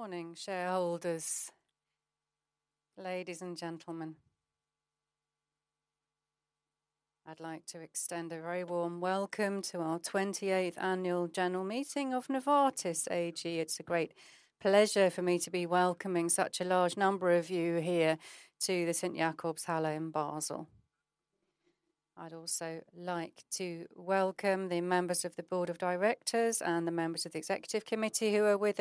Good morning, shareholders. Ladies and gentlemen, I'd like to extend a very warm welcome to our 28th annual general meeting of Novartis AG. It's a great pleasure for me to be welcoming such a large number of you here to the St. Jakobshalle in Basel. I'd also like to welcome the members of the board of directors and the members of the executive committee who are with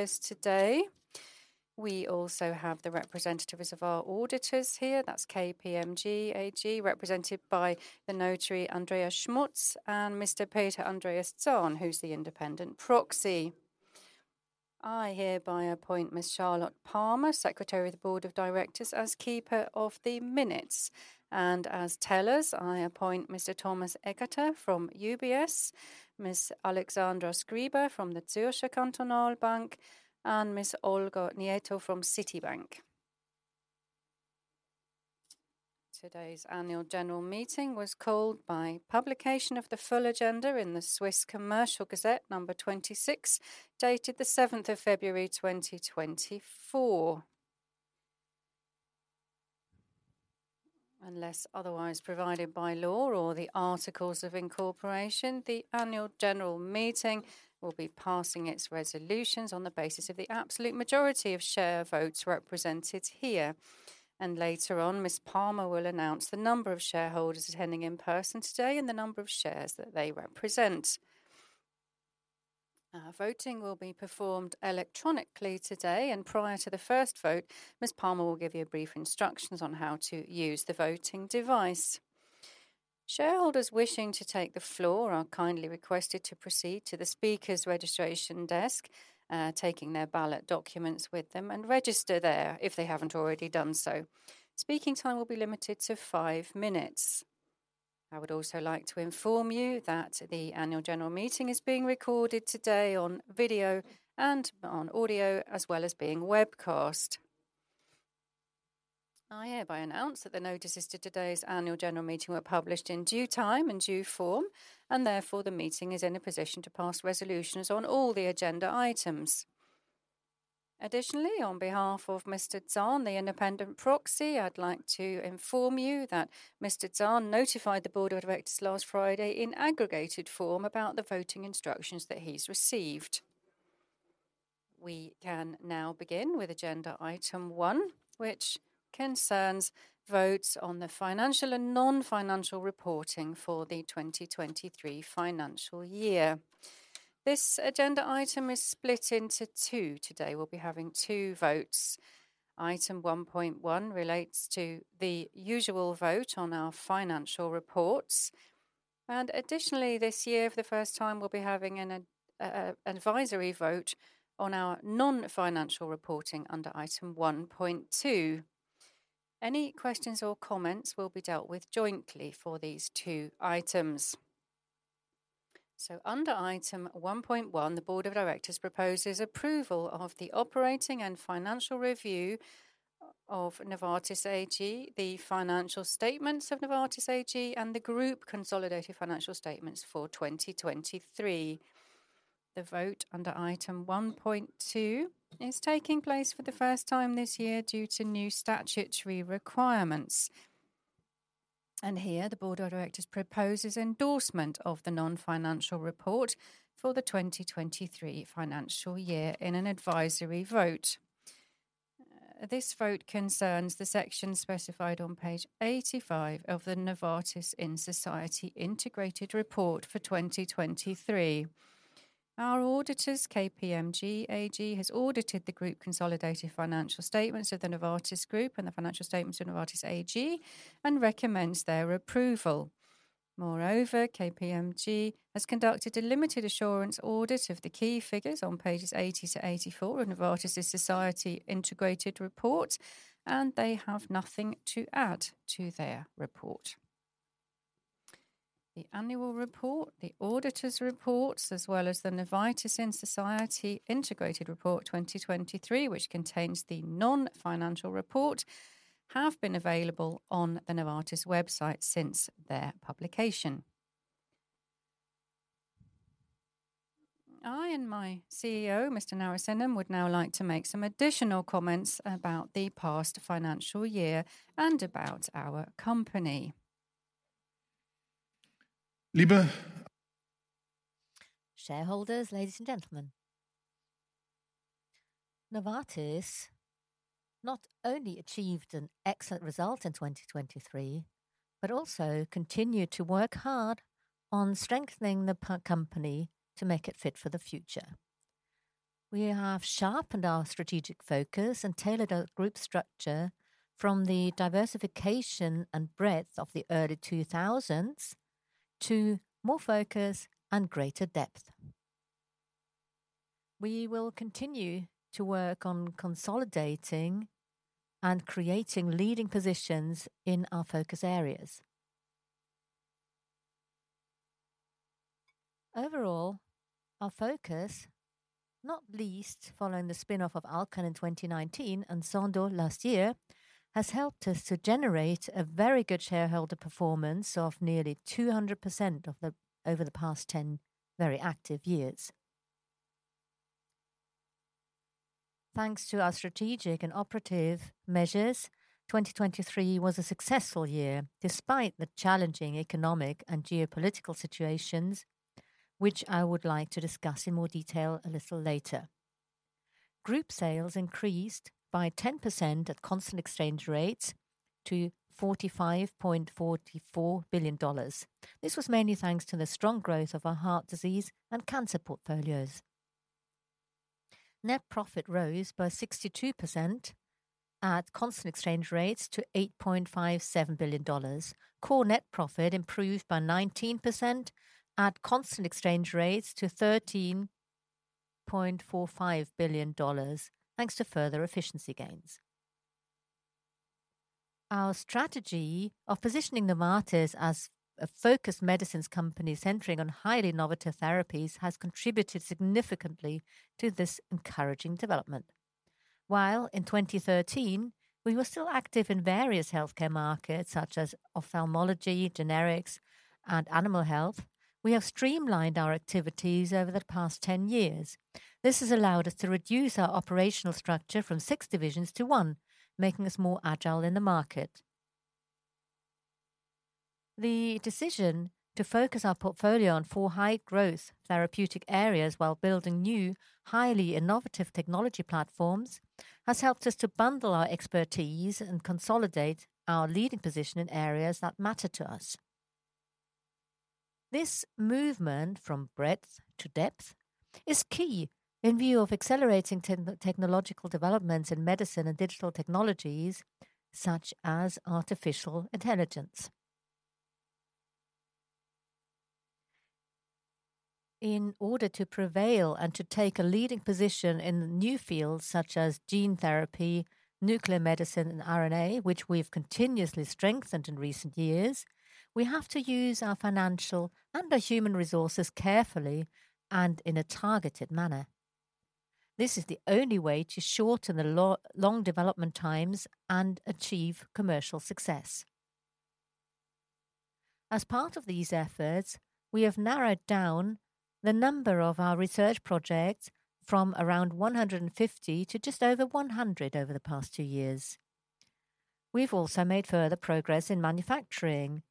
us today. We also have the representatives of our auditors here. That's KPMG AG, represented by the notary Andreas Schmutz and Mr. Peter Andreas Zahn, who's the independent proxy. I hereby appoint Ms. Charlotte Palmer, secretary of the board of directors, as keeper of the minutes. As tellers, I appoint Mr. Thomas Eckert from UBS, Ms. Alexandra Schreiber from the Zürcher Kantonalbank, and Ms. Olga Nieto from Citibank. Today's annual general meeting was called by publication of the full agenda in the Swiss Commercial Gazette, number 26, dated 7 February 2024. Unless otherwise provided by law or the Articles of Incorporation, the annual general meeting will be passing its resolutions on the basis of the absolute majority of share votes represented here. Later on, Ms. Palmer will announce the number of shareholders attending in person today and the number of shares that they represent. Voting will be performed electronically today, and prior to the first vote, Ms. Palmer will give you brief instructions on how to use the voting device. Shareholders wishing to take the floor are kindly requested to proceed to the speaker's registration desk, taking their ballot documents with them, and register there if they haven't already done so. Speaking time will be limited to five minutes. I would also like to inform you that the annual general meeting is being recorded today on video and on audio, as well as being webcast. I hereby announce that the notices to today's annual general meeting were published in due time and due form, and therefore the meeting is in a position to pass resolutions on all the agenda items. Additionally, on behalf of Mr. Zahn, the independent proxy, I'd like to inform you that Mr. Zahn notified the board of directors last Friday in aggregated form about the voting instructions that he's received. We can now begin with agenda item one, which concerns votes on the financial and non-financial reporting for the 2023 financial year. This agenda item is split into two. Today we'll be having two votes. Item 1.1 relates to the usual vote on our financial reports. Additionally, this year, for the first time, we'll be having an advisory vote on our non-financial reporting under item 1.2. Any questions or comments will be dealt with jointly for these two items. Under item 1.1, the board of directors proposes approval of the operating and financial review of Novartis AG, the financial statements of Novartis AG, and the group consolidated financial statements for 2023. The vote under item 1.2 is taking place for the first time this year due to new statutory requirements. Here, the board of directors proposes endorsement of the non-financial report for the 2023 financial year in an advisory vote. This vote concerns the section specified on page 85 of the Novartis in Society Integrated Report for 2023. Our auditors, KPMG AG, has audited the group consolidated financial statements of the Novartis Group and the financial statements of Novartis AG and recommends their approval. Moreover, KPMG has conducted a limited assurance audit of the key figures on pages 80 to 84 of Novartis in Society Integrated Report, and they have nothing to add to their report. The annual report, the auditors' reports, as well as the Novartis in Society Integrated Report 2023, which contains the non-financial report, have been available on the Novartis website since their publication. I and my CEO, Mr. Narasimhan, would now like to make some additional comments about the past financial year and about our company. Liebe. Shareholders, ladies and gentlemen, Novartis not only achieved an excellent result in 2023 but also continued to work hard on strengthening the company to make it fit for the future. We have sharpened our strategic focus and tailored our group structure from the diversification and breadth of the early 2000s to more focus and greater depth. We will continue to work on consolidating and creating leading positions in our focus areas. Overall, our focus, not least following the spin-off of Alcon in 2019 and Sandoz last year, has helped us to generate a very good shareholder performance of nearly 200% over the past 10 very active years. Thanks to our strategic and operative measures, 2023 was a successful year despite the challenging economic and geopolitical situations, which I would like to discuss in more detail a little later. Group sales increased by 10% at constant exchange rates to $45.44 billion. This was mainly thanks to the strong growth of our heart disease and cancer portfolios. Net profit rose by 62% at constant exchange rates to $8.57 billion. Core net profit improved by 19% at constant exchange rates to $13.45 billion, thanks to further efficiency gains. Our strategy of positioning Novartis as a focused medicines company centering on highly innovative therapies has contributed significantly to this encouraging development. While in 2013 we were still active in various healthcare markets such as ophthalmology, generics, and animal health, we have streamlined our activities over the past 10 years. This has allowed us to reduce our operational structure from six divisions to one, making us more agile in the market. The decision to focus our portfolio on four high-growth therapeutic areas while building new, highly innovative technology platforms has helped us to bundle our expertise and consolidate our leading position in areas that matter to us. This movement from breadth to depth is key in view of accelerating technological developments in medicine and digital technologies such as artificial intelligence. In order to prevail and to take a leading position in new fields such as gene therapy, nuclear medicine, and RNA, which we've continuously strengthened in recent years, we have to use our financial and our human resources carefully and in a targeted manner. This is the only way to shorten the long development times and achieve commercial success. As part of these efforts, we have narrowed down the number of our research projects from around 150 to just over 100 over the past two years. We've also made further progress in manufacturing.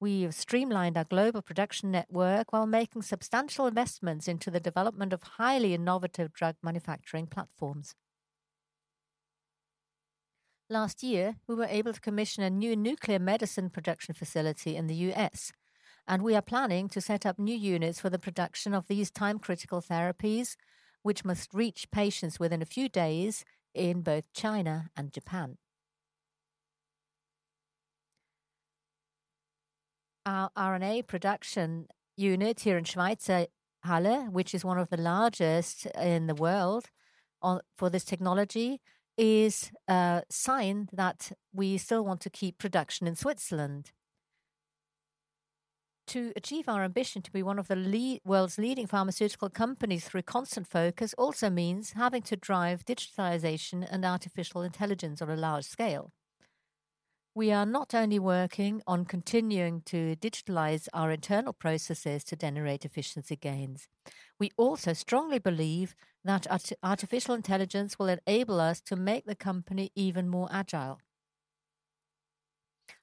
We've streamlined our global production network while making substantial investments into the development of highly innovative drug manufacturing platforms. Last year, we were able to commission a new nuclear medicine production facility in the U.S., and we are planning to set up new units for the production of these time-critical therapies, which must reach patients within a few days in both China and Japan. Our RNA production unit here in Schweizerhalle, which is one of the largest in the world for this technology, is a sign that we still want to keep production in Switzerland. To achieve our ambition to be one of the world's leading pharmaceutical companies through constant focus also means having to drive digitalization and artificial intelligence on a large scale. We are not only working on continuing to digitalize our internal processes to generate efficiency gains. We also strongly believe that artificial intelligence will enable us to make the company even more agile.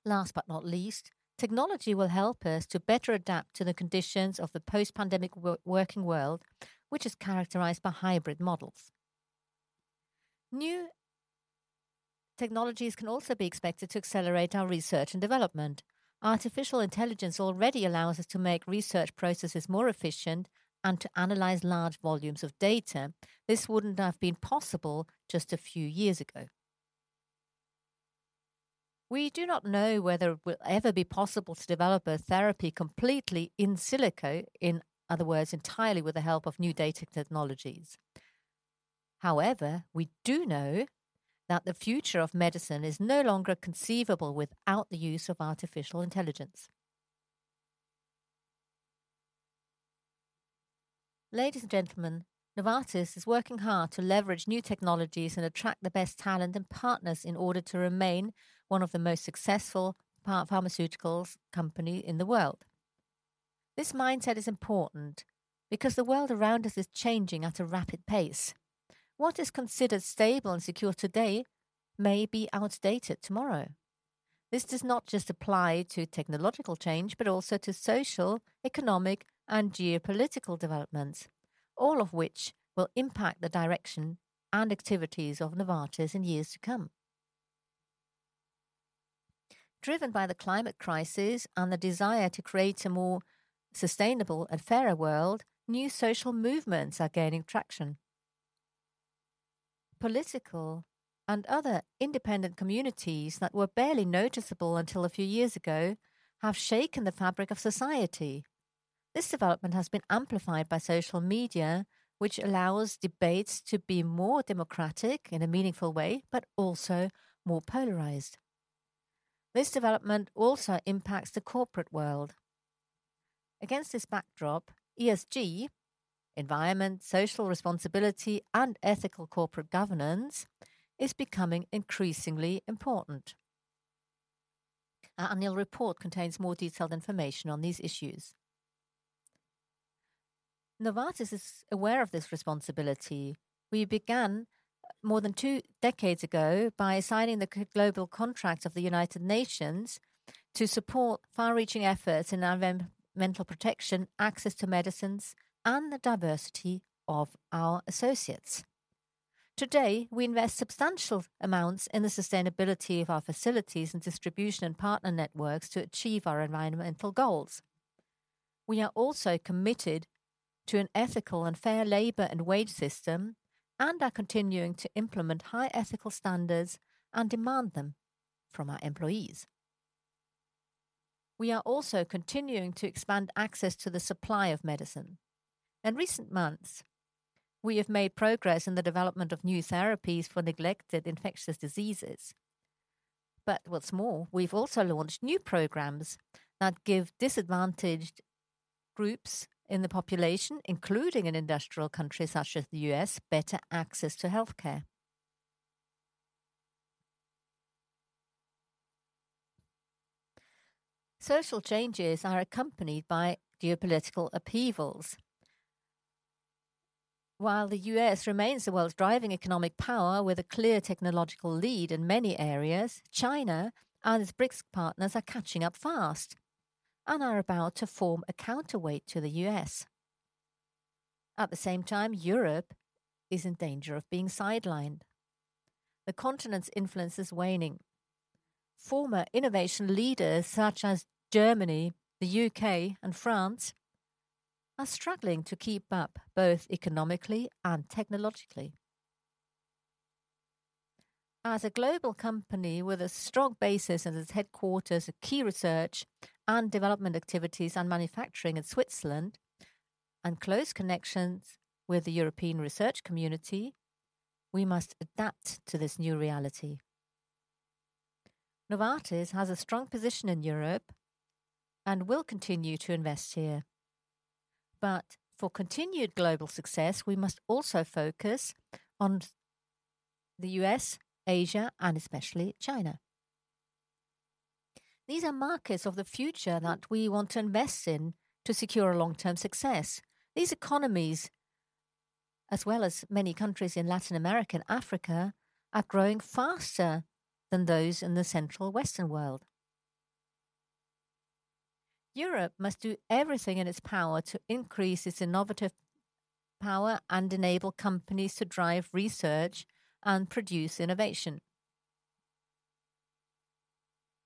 Last but not least, technology will help us to better adapt to the conditions of the post-pandemic working world, which is characterized by hybrid models. New technologies can also be expected to accelerate our research and development. Artificial intelligence already allows us to make research processes more efficient and to analyze large volumes of data. This wouldn't have been possible just a few years ago. We do not know whether it will ever be possible to develop a therapy completely in silico, in other words, entirely with the help of new data technologies. However, we do know that the future of medicine is no longer conceivable without the use of artificial intelligence. Ladies and gentlemen, Novartis is working hard to leverage new technologies and attract the best talent and partners in order to remain one of the most successful pharmaceuticals companies in the world. This mindset is important because the world around us is changing at a rapid pace. What is considered stable and secure today may be outdated tomorrow. This does not just apply to technological change, but also to social, economic, and geopolitical developments, all of which will impact the direction and activities of Novartis in years to come. Driven by the climate crisis and the desire to create a more sustainable and fairer world, new social movements are gaining traction. Political and other independent communities that were barely noticeable until a few years ago have shaken the fabric of society. This development has been amplified by social media, which allows debates to be more democratic in a meaningful way, but also more polarized. This development also impacts the corporate world. Against this backdrop, ESG, environment, social responsibility, and ethical corporate governance is becoming increasingly important. Our annual report contains more detailed information on these issues. Novartis is aware of this responsibility. We began more than two decades ago by signing the global contracts of the United Nations to support far-reaching efforts in environmental protection, access to medicines, and the diversity of our associates. Today, we invest substantial amounts in the sustainability of our facilities and distribution and partner networks to achieve our environmental goals. We are also committed to an ethical and fair labor and wage system, and are continuing to implement high ethical standards and demand them from our employees. We are also continuing to expand access to the supply of medicine. In recent months, we have made progress in the development of new therapies for neglected infectious diseases. But what's more, we've also launched new programs that give disadvantaged groups in the population, including in industrial countries such as the U.S., better access to healthcare. Social changes are accompanied by geopolitical upheavals. While the U.S. remains the world's driving economic power with a clear technological lead in many areas, China and its BRICS partners are catching up fast and are about to form a counterweight to the U.S. At the same time, Europe is in danger of being sidelined. The continent's influence is waning. Former innovation leaders such as Germany, the U.K., and France are struggling to keep up both economically and technologically. As a global company with a strong basis and its headquarters of key research and development activities and manufacturing in Switzerland and close connections with the European research community, we must adapt to this new reality. Novartis has a strong position in Europe and will continue to invest here. But for continued global success, we must also focus on the U.S., Asia, and especially China. These are markets of the future that we want to invest in to secure a long-term success. These economies, as well as many countries in Latin America and Africa, are growing faster than those in the Central Western world. Europe must do everything in its power to increase its innovative power and enable companies to drive research and produce innovation.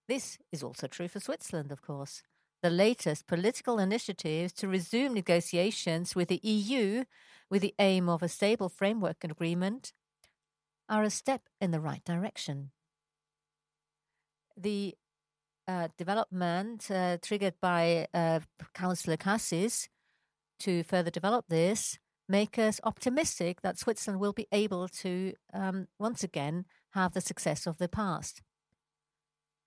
This is also true for Switzerland, of course. The latest political initiatives to resume negotiations with the EU with the aim of a stable framework and agreement are a step in the right direction. The development triggered by Councillor Cassis to further develop this makes us optimistic that Switzerland will be able to once again have the success of the past.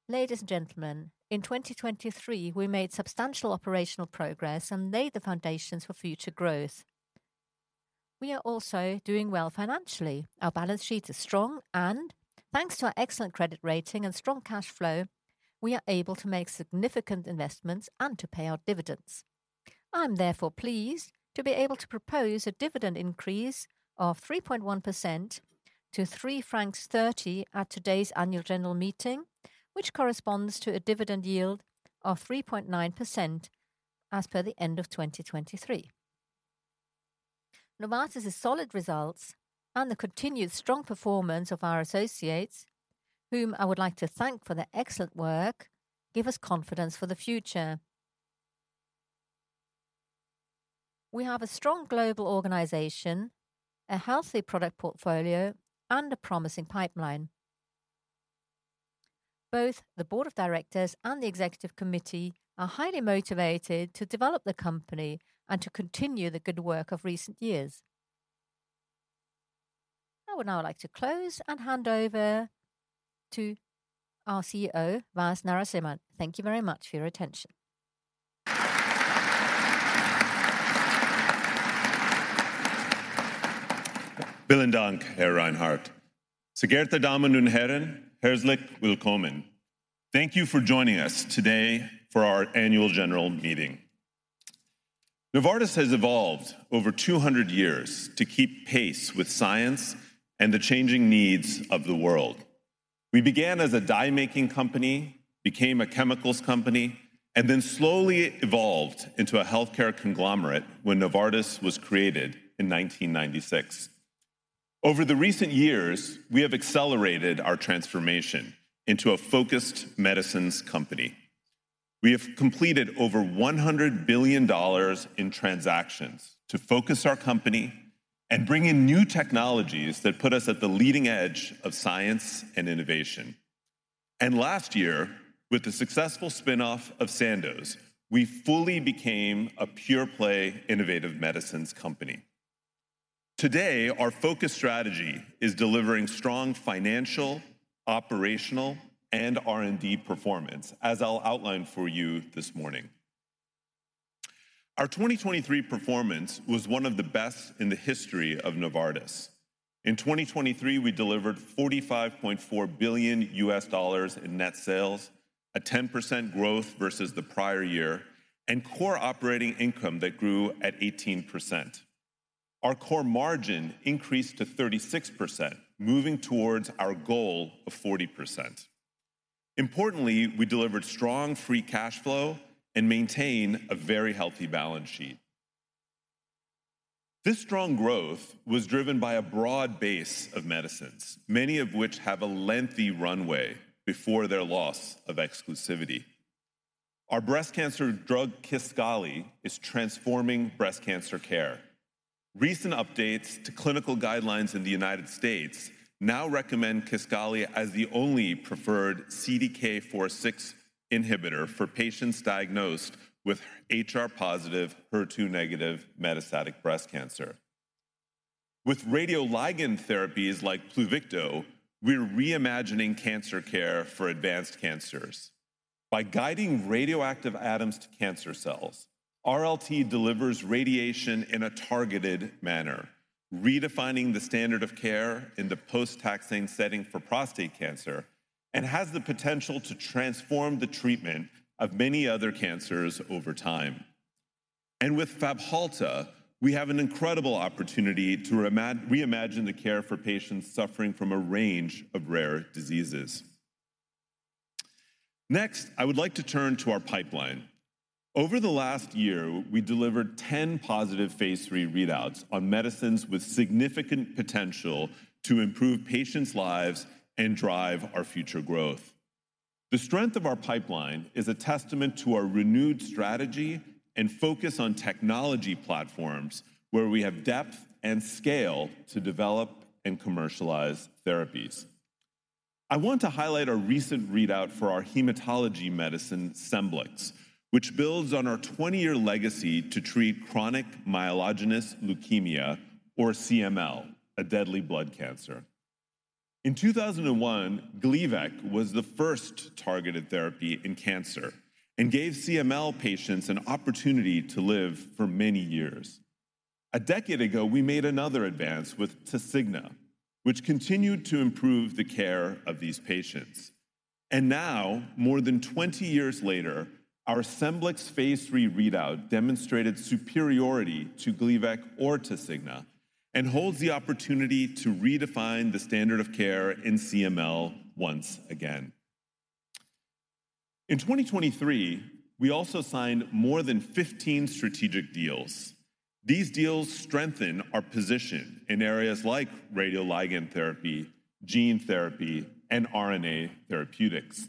Ladies and gentlemen, in 2023, we made substantial operational progress and laid the foundations for future growth. We are also doing well financially. Our balance sheet is strong and, thanks to our excellent credit rating and strong cash flow, we are able to make significant investments and to pay our dividends. I'm therefore pleased to be able to propose a dividend increase of 3.1% to 3.30 francs at today's annual general meeting, which corresponds to a dividend yield of 3.9% as per the end of 2023. Novartis's solid results and the continued strong performance of our associates, whom I would like to thank for their excellent work, give us confidence for the future. We have a strong global organization, a healthy product portfolio, and a promising pipeline. Both the board of directors and the executive committee are highly motivated to develop the company and to continue the good work of recent years. I would now like to close and hand over to our CEO, Vasant Narasimhan. Thank you very much for your attention. Vielen Dank, Herr Reinhard. Sehr geehrte Damen und Herren, herzlich willkommen. Thank you for joining us today for our annual general meeting. Novartis has evolved over 200 years to keep pace with science and the changing needs of the world. We began as a dye-making company, became a chemicals company, and then slowly evolved into a healthcare conglomerate when Novartis was created in 1996. Over the recent years, we have accelerated our transformation into a focused medicines company. We have completed over $100 billion in transactions to focus our company and bring in new technologies that put us at the leading edge of science and innovation. And last year, with the successful spinoff of Sandoz, we fully became a pure-play innovative medicines company. Today, our focus strategy is delivering strong financial, operational, and R&D performance, as I'll outline for you this morning. Our 2023 performance was one of the best in the history of Novartis. In 2023, we delivered $45.4 billion in net sales, a 10% growth versus the prior year, and core operating income that grew at 18%. Our core margin increased to 36%, moving towards our goal of 40%. Importantly, we delivered strong free cash flow and maintain a very healthy balance sheet. This strong growth was driven by a broad base of medicines, many of which have a lengthy runway before their loss of exclusivity. Our breast cancer drug Kisqali is transforming breast cancer care. Recent updates to clinical guidelines in the United States now recommend Kisqali as the only preferred CDK4/6 inhibitor for patients diagnosed with HR-positive, HER2-negative metastatic breast cancer. With radioligand therapies like Pluvicto, we're reimagining cancer care for advanced cancers. By guiding radioactive atoms to cancer cells, RLT delivers radiation in a targeted manner, redefining the standard of care in the post-taxane setting for prostate cancer, and has the potential to transform the treatment of many other cancers over time. With Fabhalta, we have an incredible opportunity to reimagine the care for patients suffering from a range of rare diseases. Next, I would like to turn to our pipeline. Over the last year, we delivered 10 positive phase 3 readouts on medicines with significant potential to improve patients' lives and drive our future growth. The strength of our pipeline is a testament to our renewed strategy and focus on technology platforms where we have depth and scale to develop and commercialize therapies. I want to highlight our recent readout for our hematology medicine Scemblix, which builds on our 20-year legacy to treat chronic myelogenous leukemia, or CML, a deadly blood cancer. In 2001, Gleevec was the first targeted therapy in cancer and gave CML patients an opportunity to live for many years. A decade ago, we made another advance with Tasigna, which continued to improve the care of these patients. Now, more than 20 years later, our Scemblix phase 3 readout demonstrated superiority to Gleevec or Tasigna and holds the opportunity to redefine the standard of care in CML once again. In 2023, we also signed more than 15 strategic deals. These deals strengthen our position in areas like radioligand therapy, gene therapy, and RNA therapeutics.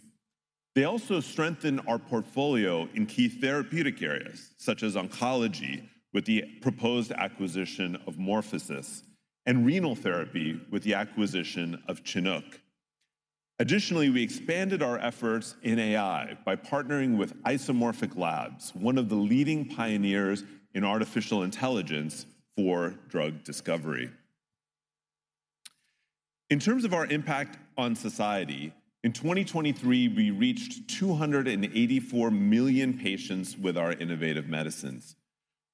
They also strengthen our portfolio in key therapeutic areas such as oncology with the proposed acquisition of MorphoSys and renal therapy with the acquisition of Chinook. Additionally, we expanded our efforts in AI by partnering with Isomorphic Labs, one of the leading pioneers in artificial intelligence for drug discovery. In terms of our impact on society, in 2023, we reached 284 million patients with our innovative medicines.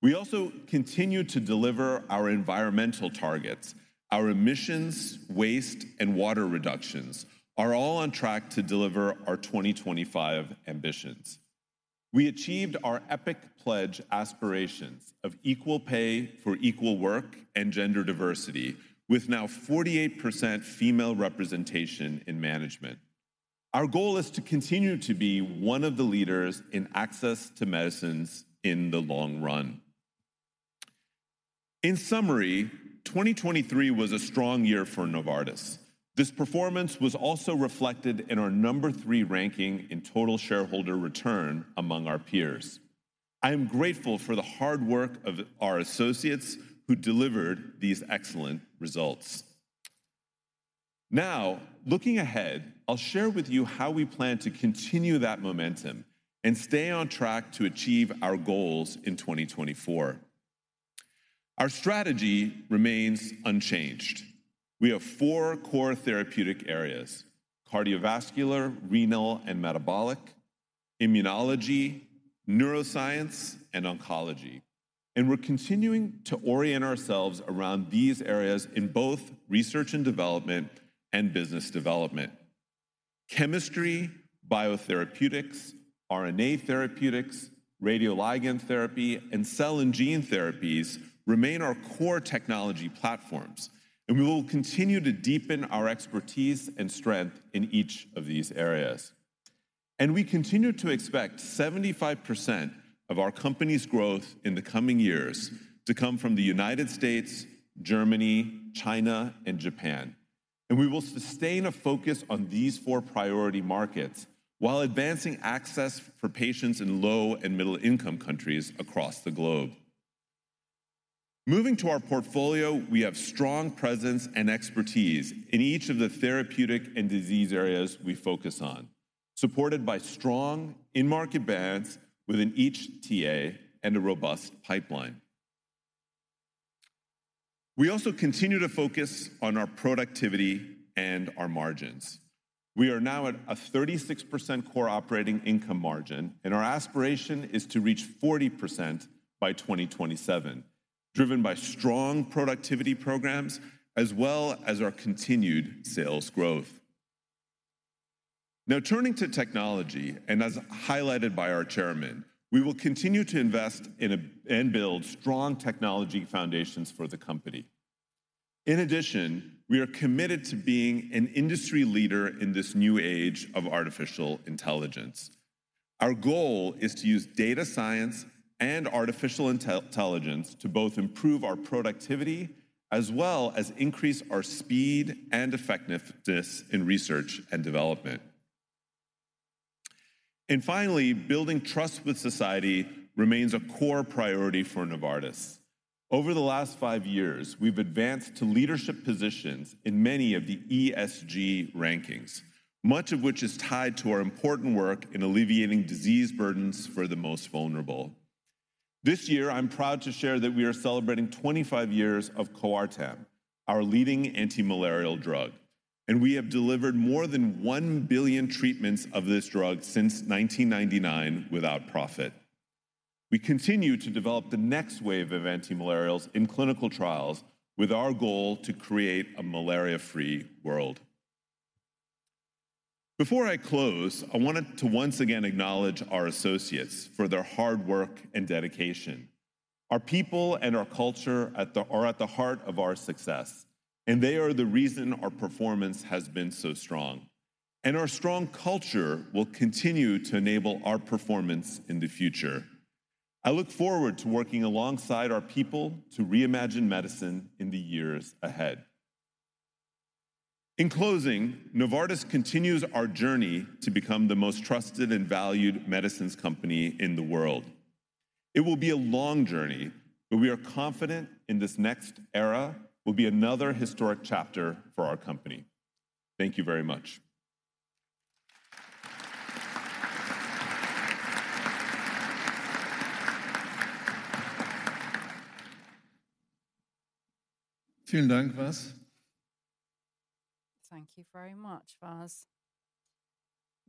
We also continue to deliver our environmental targets. Our emissions, waste, and water reductions are all on track to deliver our 2025 ambitions. We achieved our epic pledge aspirations of equal pay for equal work and gender diversity, with now 48% female representation in management. Our goal is to continue to be one of the leaders in access to medicines in the long run. In summary, 2023 was a strong year for Novartis. This performance was also reflected in our number 3 ranking in total shareholder return among our peers. I am grateful for the hard work of our associates who delivered these excellent results. Now, looking ahead, I'll share with you how we plan to continue that momentum and stay on track to achieve our goals in 2024. Our strategy remains unchanged. We have 4 core therapeutic areas: cardiovascular, renal, and metabolic; immunology, neuroscience, and oncology. We're continuing to orient ourselves around these areas in both research and development and business development. Chemistry, biotherapeutics, RNA therapeutics, radioligand therapy, and cell and gene therapies remain our core technology platforms, and we will continue to deepen our expertise and strength in each of these areas. We continue to expect 75% of our company's growth in the coming years to come from the United States, Germany, China, and Japan. We will sustain a focus on these four priority markets while advancing access for patients in low and middle-income countries across the globe. Moving to our portfolio, we have strong presence and expertise in each of the therapeutic and disease areas we focus on, supported by strong in-market brands within each TA and a robust pipeline. We also continue to focus on our productivity and our margins. We are now at a 36% core operating income margin, and our aspiration is to reach 40% by 2027, driven by strong productivity programs as well as our continued sales growth. Now, turning to technology, and as highlighted by our chairman, we will continue to invest in and build strong technology foundations for the company. In addition, we are committed to being an industry leader in this new age of artificial intelligence. Our goal is to use data science and artificial intelligence to both improve our productivity as well as increase our speed and effectiveness in research and development. And finally, building trust with society remains a core priority for Novartis. Over the last five years, we've advanced to leadership positions in many of the ESG rankings, much of which is tied to our important work in alleviating disease burdens for the most vulnerable. This year, I'm proud to share that we are celebrating 25 years of Coartem, our leading antimalarial drug, and we have delivered more than 1 billion treatments of this drug since 1999 without profit. We continue to develop the next wave of antimalarials in clinical trials with our goal to create a malaria-free world. Before I close, I wanted to once again acknowledge our associates for their hard work and dedication. Our people and our culture are at the heart of our success, and they are the reason our performance has been so strong. Our strong culture will continue to enable our performance in the future. I look forward to working alongside our people to reimagine medicine in the years ahead. In closing, Novartis continues our journey to become the most trusted and valued medicines company in the world. It will be a long journey, but we are confident in this next era will be another historic chapter for our company. Thank you very much. Vielen Dank, Vas. Thank you very much, Vas.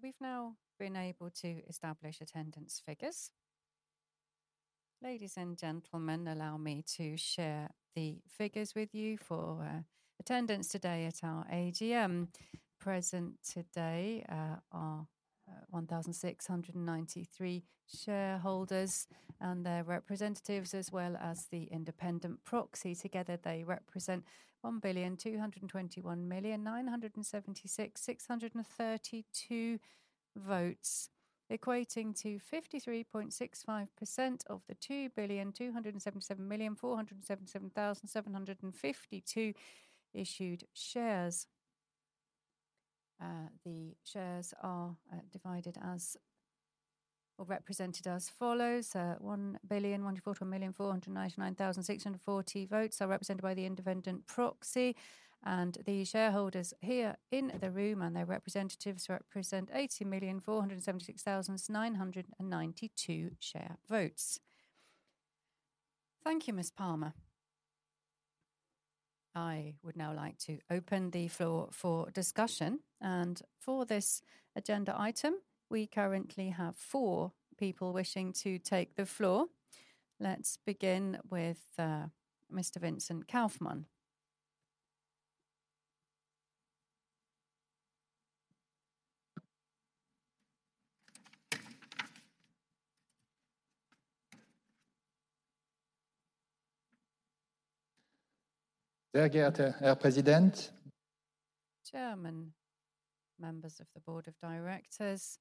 We've now been able to establish attendance figures. Ladies and gentlemen, allow me to share the figures with you for attendance today at our AGM. Present today are 1,693 shareholders and their representatives, as well as the independent proxy. Together, they represent 1,221,976,632 votes, equating to 53.65% of the 2,277,477,752 issued shares. The shares are divided as or represented as follows. 1,041,499,640 votes are represented by the independent proxy. The shareholders here in the room and their representatives represent 80,476,992 share votes. Thank you, Ms. Palmer. I would now like to open the floor for discussion. For this agenda item, we currently have four people wishing to take the floor. Let's begin with Mr. Vincent Kaufmann. Sehr geehrter Herr Präsident. Chairman, members of the Board of Directors,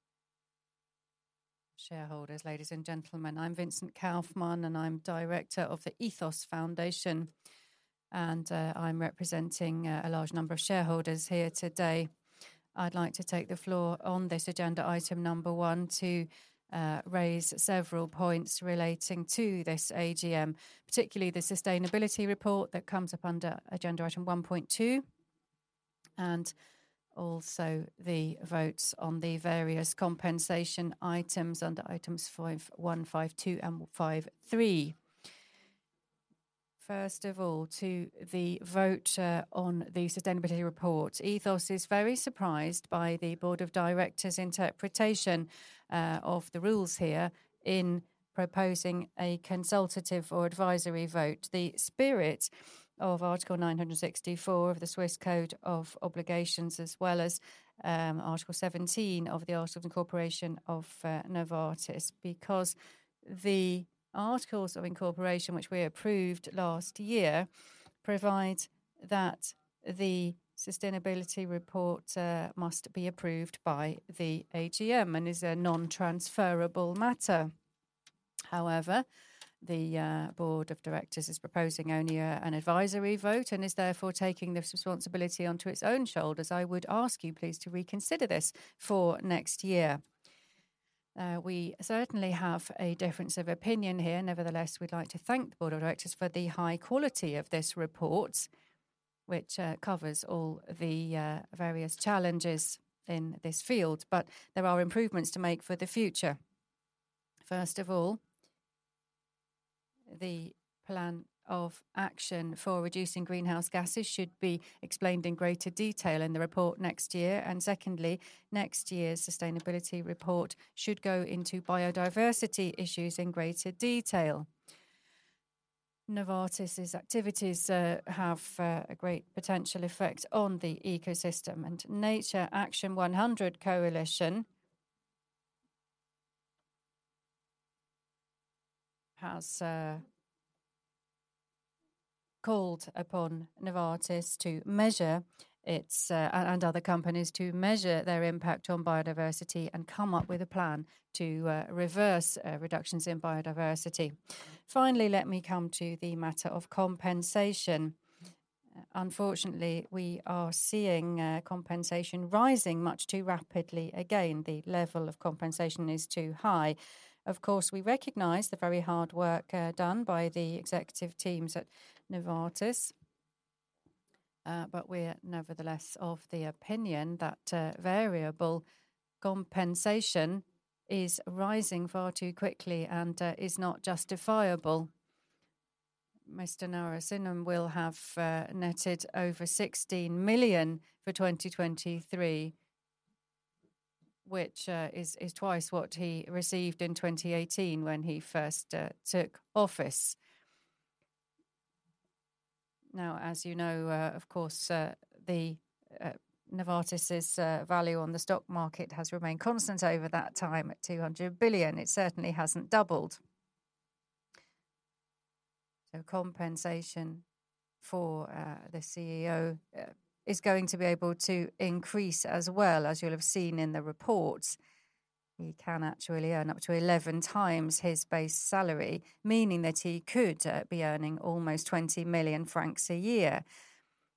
shareholders, ladies and gentlemen. I'm Vincent Kaufmann, and I'm director of the Ethos Foundation. I'm representing a large number of shareholders here today. I'd like to take the floor on this agenda item number 1 to raise several points relating to this AGM, particularly the sustainability report that comes up under agenda item 1.2, and also the votes on the various compensation items under items 152 and 53. First of all, to the vote on the sustainability report, Ethos is very surprised by the board of directors' interpretation of the rules here in proposing a consultative or advisory vote, the spirit of Article 964 of the Swiss Code of Obligations, as well as Article 17 of the Articles of Incorporation of Novartis, because the Articles of Incorporation, which we approved last year, provide that the sustainability report must be approved by the AGM and is a non-transferable matter. However, the board of directors is proposing only an advisory vote and is therefore taking the responsibility onto its own shoulders. I would ask you, please, to reconsider this for next year. We certainly have a difference of opinion here. Nevertheless, we'd like to thank the board of directors for the high quality of this report, which covers all the various challenges in this field, but there are improvements to make for the future. First of all, the plan of action for reducing greenhouse gases should be explained in greater detail in the report next year. Secondly, next year's sustainability report should go into biodiversity issues in greater detail. Novartis's activities have a great potential effect on the ecosystem, and Nature Action 100 Coalition has called upon Novartis to measure its and other companies to measure their impact on biodiversity and come up with a plan to reverse reductions in biodiversity. Finally, let me come to the matter of compensation. Unfortunately, we are seeing compensation rising much too rapidly again. The level of compensation is too high. Of course, we recognize the very hard work done by the executive teams at Novartis, but we are nevertheless of the opinion that variable compensation is rising far too quickly and is not justifiable. Mr. Narasimhan will have netted over 16 million for 2023, which is twice what he received in 2018 when he first took office. Now, as you know, of course, Novartis's value on the stock market has remained constant over that time at 200 billion. It certainly hasn't doubled. So compensation for the CEO is going to be able to increase as well, as you'll have seen in the reports. He can actually earn up to 11 times his base salary, meaning that he could be earning almost 20 million francs a year.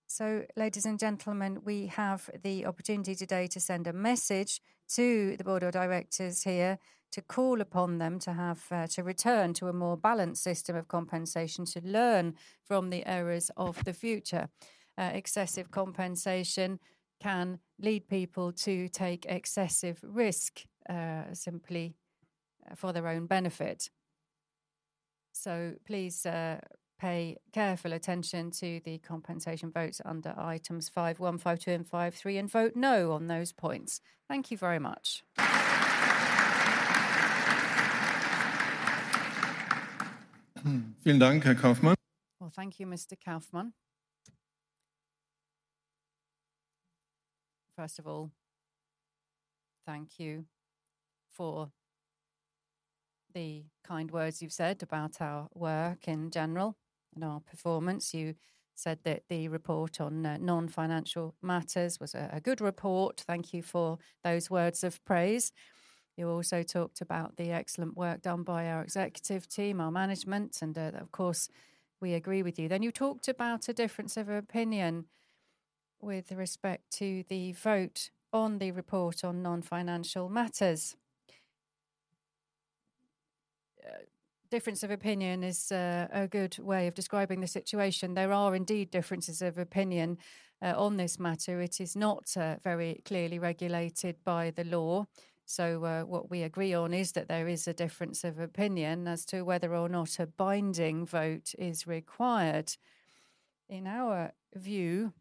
So, ladies and gentlemen, we have the opportunity today to send a message to the board of directors here to call upon them to return to a more balanced system of compensation, to learn from the errors of the future. Excessive compensation can lead people to take excessive risk simply for their own benefit. So please pay careful attention to the compensation votes under items 515, 2, and 53, and vote no on those points. Thank you very much. Vielen Dank, Herr Kaufmann. Well, thank you, Mr. Kaufmann. First of all, thank you for the kind words you've said about our work in general and our performance. You said that the report on non-financial matters was a good report. Thank you for those words of praise. You also talked about the excellent work done by our executive team, our management, and of course, we agree with you. Then you talked about a difference of opinion with respect to the vote on the report on non-financial matters. Difference of opinion is a good way of describing the situation. There are indeed differences of opinion on this matter. It is not very clearly regulated by the law. So what we agree on is that there is a difference of opinion as to whether or not a binding vote is required. In our view,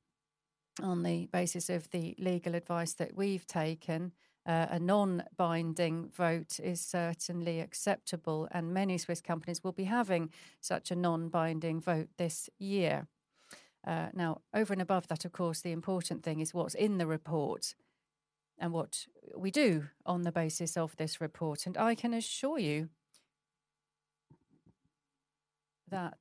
on the basis of the legal advice that we've taken, a non-binding vote is certainly acceptable, and many Swiss companies will be having such a non-binding vote this year. Now, over and above that, of course, the important thing is what's in the report and what we do on the basis of this report. I can assure you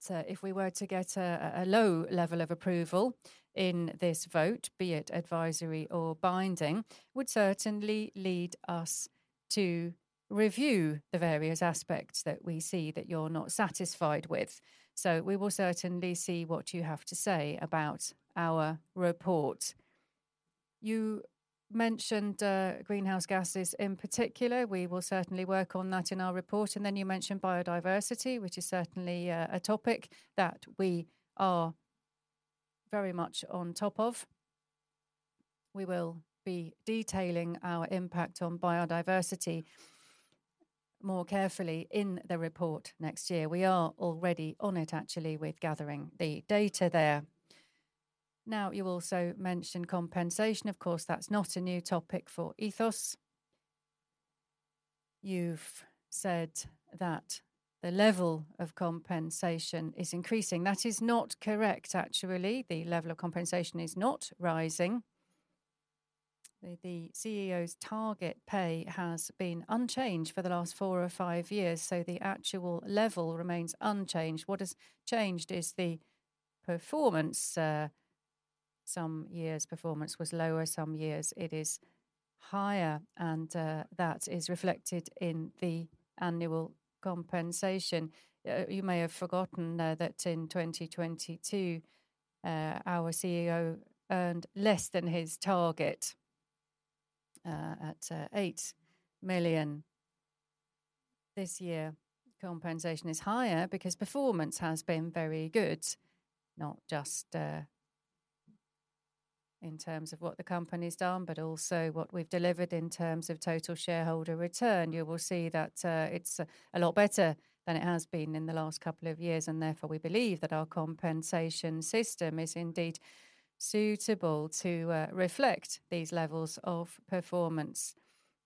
that if we were to get a low level of approval in this vote, be it advisory or binding, it would certainly lead us to review the various aspects that we see that you're not satisfied with. We will certainly see what you have to say about our report. You mentioned greenhouse gases in particular. We will certainly work on that in our report. Then you mentioned biodiversity, which is certainly a topic that we are very much on top of. We will be detailing our impact on biodiversity more carefully in the report next year. We are already on it, actually, with gathering the data there. Now, you also mentioned compensation. Of course, that's not a new topic for Ethos. You've said that the level of compensation is increasing. That is not correct, actually. The level of compensation is not rising. The CEO's target pay has been unchanged for the last four or five years, so the actual level remains unchanged. What has changed is the performance. Some years' performance was lower. Some years, it is higher. And that is reflected in the annual compensation. You may have forgotten that in 2022, our CEO earned less than his target at 8 million. This year, compensation is higher because performance has been very good, not just in terms of what the company's done, but also what we've delivered in terms of total shareholder return. You will see that it's a lot better than it has been in the last couple of years. And therefore, we believe that our compensation system is indeed suitable to reflect these levels of performance.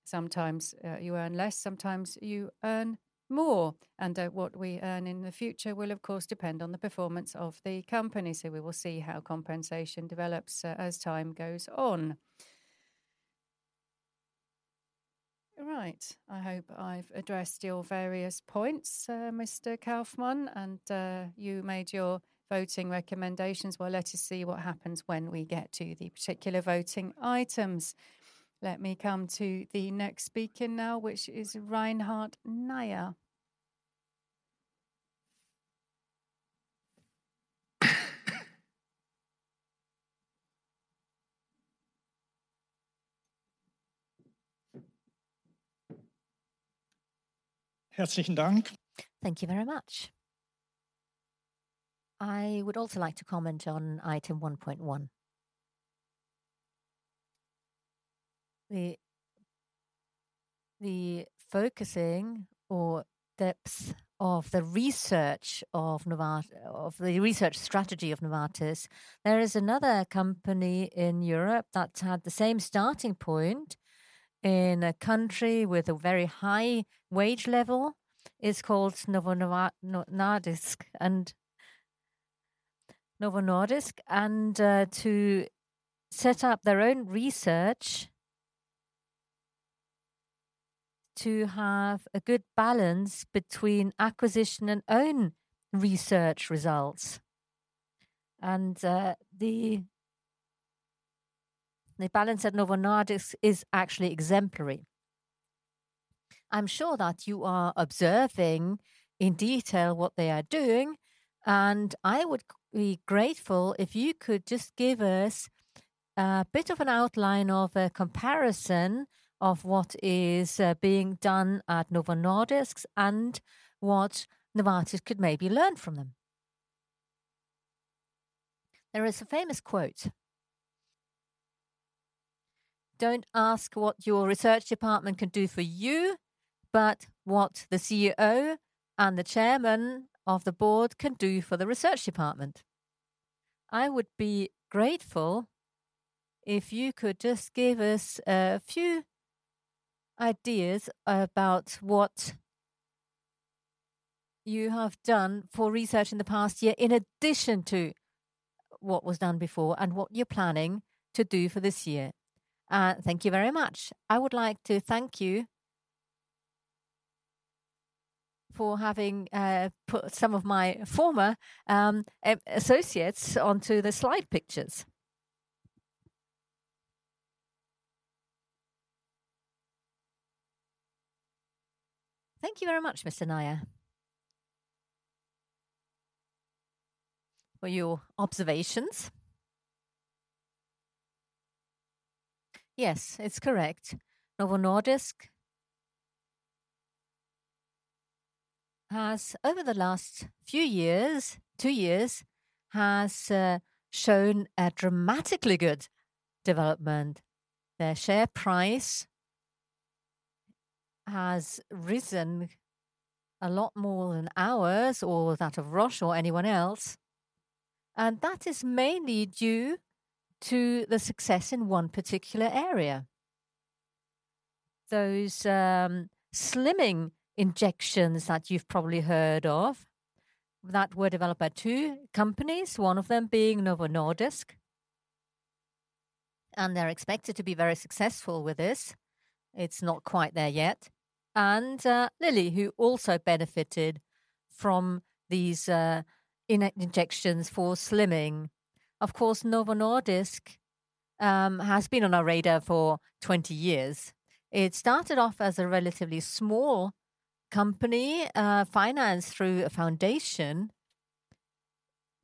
Sometimes you earn less, sometimes you earn more. What we earn in the future will, of course, depend on the performance of the company. So we will see how compensation develops as time goes on. All right. I hope I've addressed your various points, Mr. Kaufmann, and you made your voting recommendations. Well, let us see what happens when we get to the particular voting items. Let me come to the next speaker now, which is Jörg Reinhardt. Herzlichen Dank. Thank you very much. I would also like to comment on item 1.1. The focusing or depth of the research of the research strategy of Novartis, there is another company in Europe that had the same starting point in a country with a very high wage level. It's called Novo Nordisk. And to set up their own research, to have a good balance between acquisition and own research results. The balance at Novo Nordisk is actually exemplary. I'm sure that you are observing in detail what they are doing. I would be grateful if you could just give us a bit of an outline of a comparison of what is being done at Novo Nordisk and what Novartis could maybe learn from them. There is a famous quote. "Don't ask what your research department can do for you, but what the CEO and the chairman of the board can do for the research department." I would be grateful if you could just give us a few ideas about what you have done for research in the past year in addition to what was done before and what you're planning to do for this year. Thank you very much. I would like to thank you for having put some of my former associates onto the slide pictures. Thank you very much, Mr. Nayer, for your observations. Yes, it's correct. Novo Nordisk has, over the last few years, two years, shown a dramatically good development. Their share price has risen a lot more than ours or that of Roche or anyone else. And that is mainly due to the success in one particular area. Those slimming injections that you've probably heard of, that were developed by two companies, one of them being Novo Nordisk. And they're expected to be very successful with this. It's not quite there yet. And Lilly, who also benefited from these injections for slimming. Of course, Novo Nordisk has been on our radar for 20 years. It started off as a relatively small company, financed through a foundation,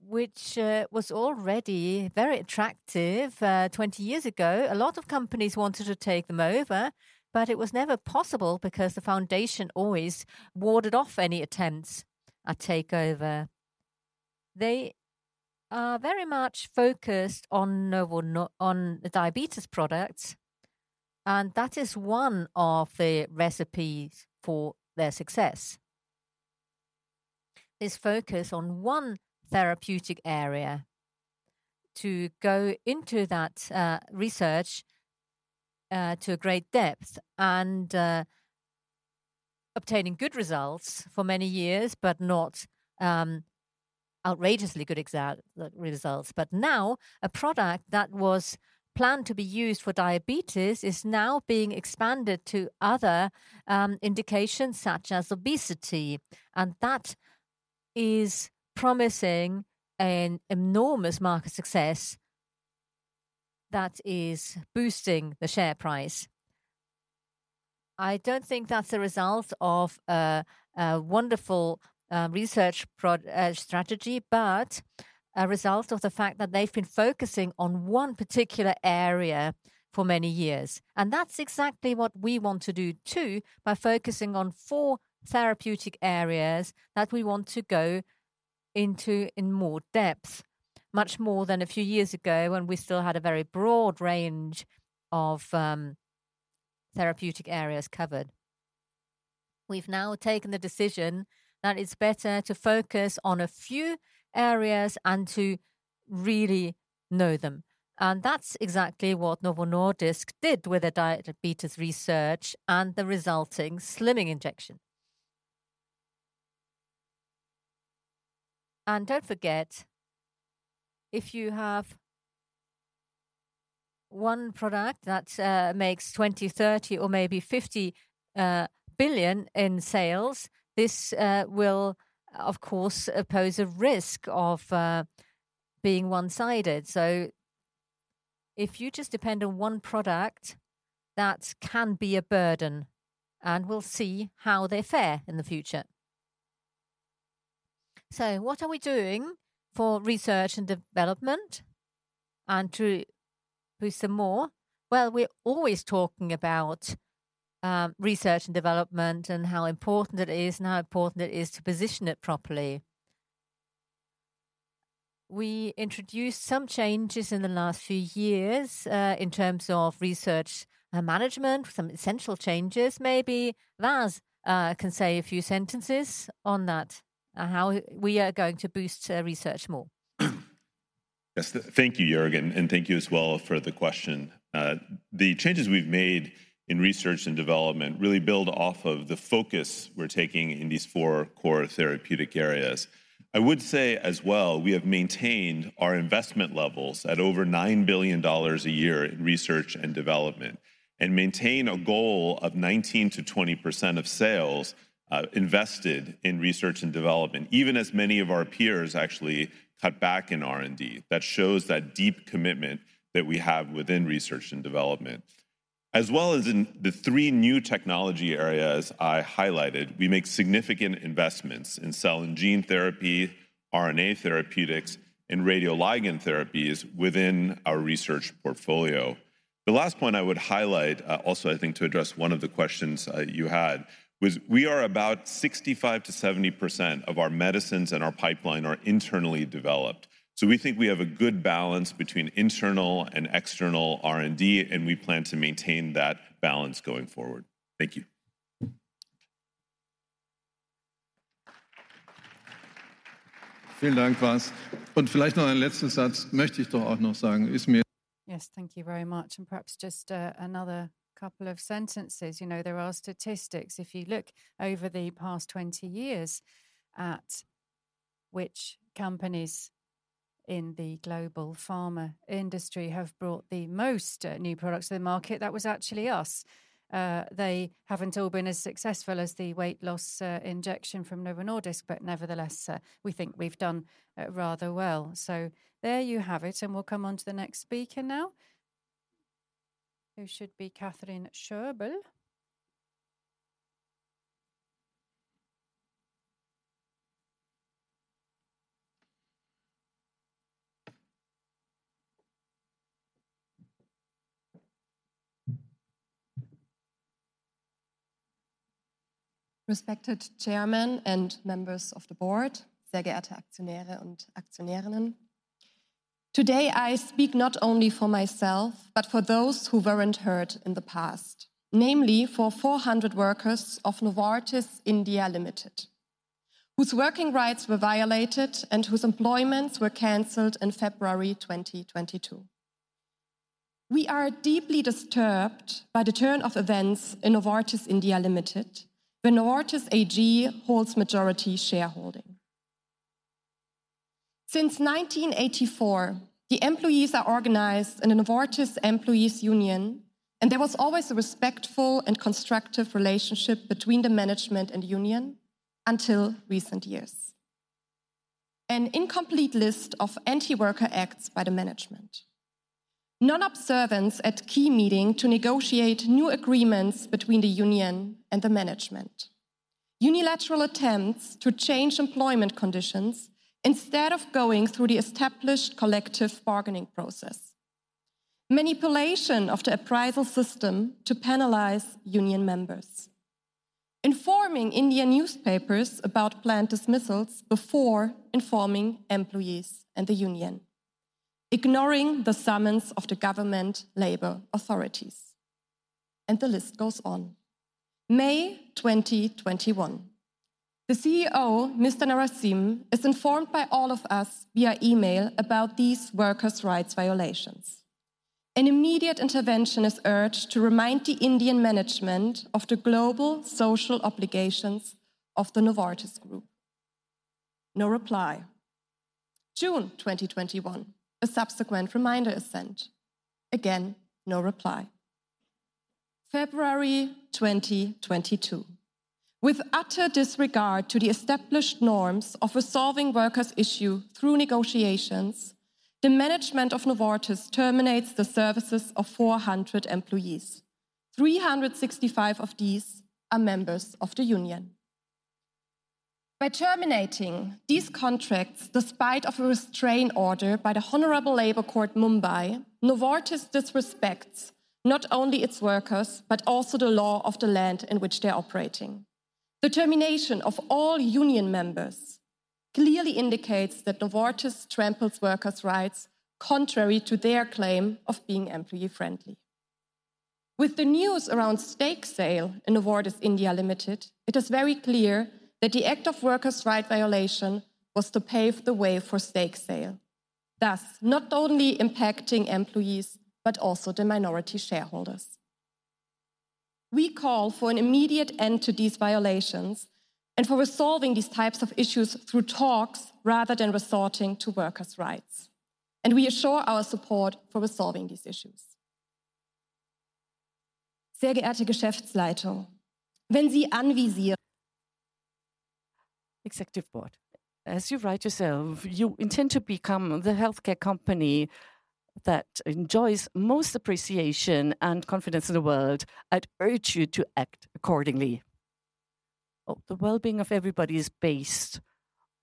which was already very attractive 20 years ago. A lot of companies wanted to take them over, but it was never possible because the foundation always warded off any attempts at takeover. They are very much focused on diabetes products. That is one of the recipes for their success. This focus on one therapeutic area to go into that research to a great depth and obtaining good results for many years, but not outrageously good results. But now, a product that was planned to be used for diabetes is now being expanded to other indications such as obesity. That is promising an enormous market success that is boosting the share price. I don't think that's a result of a wonderful research strategy, but a result of the fact that they've been focusing on one particular area for many years. That's exactly what we want to do too by focusing on four therapeutic areas that we want to go into in more depth, much more than a few years ago when we still had a very broad range of therapeutic areas covered. We've now taken the decision that it's better to focus on a few areas and to really know them. That's exactly what Novo Nordisk did with their diabetes research and the resulting slimming injection. Don't forget, if you have one product that makes $20 billion, $30 billion, or maybe $50 billion in sales, this will, of course, pose a risk of being one-sided. If you just depend on one product, that can be a burden. We'll see how they fare in the future. What are we doing for research and development and to boost them more? Well, we're always talking about research and development and how important it is and how important it is to position it properly. We introduced some changes in the last few years in terms of research and management, some essential changes maybe. Vasant can say a few sentences on that, how we are going to boost research more. Yes, thank you, Joerg. And thank you as well for the question. The changes we've made in research and development really build off of the focus we're taking in these four core therapeutic areas. I would say as well, we have maintained our investment levels at over $9 billion a year in research and development and maintain a goal of 19%-20% of sales invested in research and development, even as many of our peers actually cut back in R&D. That shows that deep commitment that we have within research and development. As well as in the three new technology areas I highlighted, we make significant investments in Cell and Gene Therapy, RNA Therapeutics, and Radioligand Therapies within our research portfolio. The last point I would highlight also, I think, to address one of the questions you had was we are about 65%-70% of our medicines and our pipeline are internally developed. So we think we have a good balance between internal and external R&D, and we plan to maintain that balance going forward. Thank you. Vielen Dank, Vas. Und vielleicht noch ein letzter Satz, möchte ich doch auch noch sagen. Yes, thank you very much. And perhaps just another couple of sentences. You know, there are statistics. If you look over the past 20 years at which companies in the global pharma industry have brought the most new products to the market, that was actually us. They haven't all been as successful as the weight loss injection from Novo Nordisk, but nevertheless, we think we've done rather well. So there you have it. And we'll come on to the next speaker now, who should be Catherine Schörbel. Respected Chairman and members of the board, Sehr geehrte Aktionäre und Aktionärinnen. Today, I speak not only for myself, but for those who weren't heard in the past, namely for 400 workers of Novartis India Limited, whose working rights were violated and whose employments were canceled in February 2022. We are deeply disturbed by the turn of events in Novartis India Limited, where Novartis AG holds majority shareholding. Since 1984, the employees are organized in a Novartis employees' union, and there was always a respectful and constructive relationship between the management and the union until recent years. An incomplete list of anti-worker acts by the management. Non-observance at key meetings to negotiate new agreements between the union and the management. Unilateral attempts to change employment conditions instead of going through the established collective bargaining process. Manipulation of the appraisal system to penalize union members. Informing Indian newspapers about plant dismissals before informing employees and the union. Ignoring the summons of the government labor authorities. And the list goes on. May 2021. The CEO, Mr. Narasimhan, is informed by all of us via email about these workers' rights violations. An immediate intervention is urged to remind the Indian management of the global social obligations of the Novartis group. No reply. June 2021, a subsequent reminder is sent. Again, no reply. February 2022. With utter disregard to the established norms of resolving workers' issues through negotiations, the management of Novartis terminates the services of 400 employees. 365 of these are members of the union. By terminating these contracts despite a restraint order by the Honorable Labor Court Mumbai, Novartis disrespects not only its workers but also the law of the land in which they're operating. The termination of all union members clearly indicates that Novartis tramples workers' rights contrary to their claim of being employee-friendly. With the news around stake sale in Novartis India Limited, it is very clear that the act of workers' rights violation was to pave the way for stake sale, thus not only impacting employees but also the minority shareholders. We call for an immediate end to these violations and for resolving these types of issues through talks rather than resorting to workers' rights. And we assure our support for resolving these issues. Sehr geehrte Geschäftsleitung, wenn Sie anvisieren executive board, as you write yourself, you intend to become the healthcare company that enjoys most appreciation and confidence in the world. I'd urge you to act accordingly. The well-being of everybody is based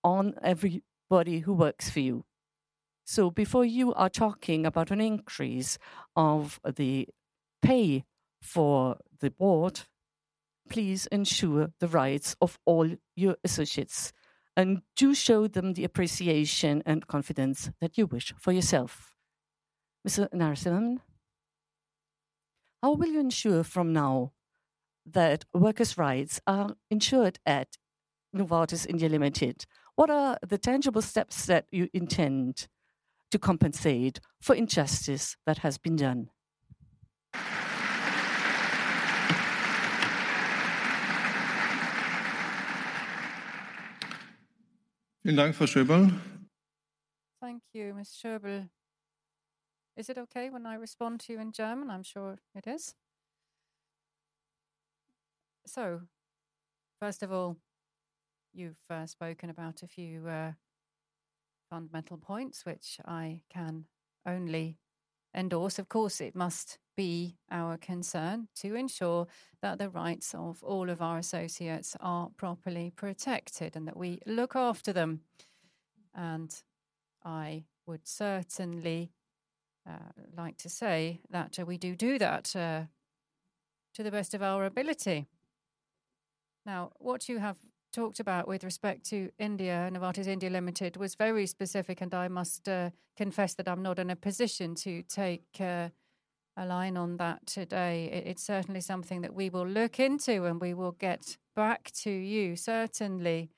on everybody who works for you. So before you are talking about an increase of the pay for the board, please ensure the rights of all your associates and do show them the appreciation and confidence that you wish for yourself. Mr. Narasimhan, how will you ensure from now that workers' rights are ensured at Novartis India Limited? What are the tangible steps that you intend to compensate for injustice that has been done? Vielen Dank, Frau Schörbel. Thank you, Mr. Schörbel. Is it okay when I respond to you in German? I'm sure it is. First of all, you've spoken about a few fundamental points, which I can only endorse. Of course, it must be our concern to ensure that the rights of all of our associates are properly protected and that we look after them. I would certainly like to say that we do do that to the best of our ability. Now, what you have talked about with respect to India and Novartis India Limited was very specific, and I must confess that I'm not in a position to take a line on that today. It's certainly something that we will look into, and we will get back to you, certainly.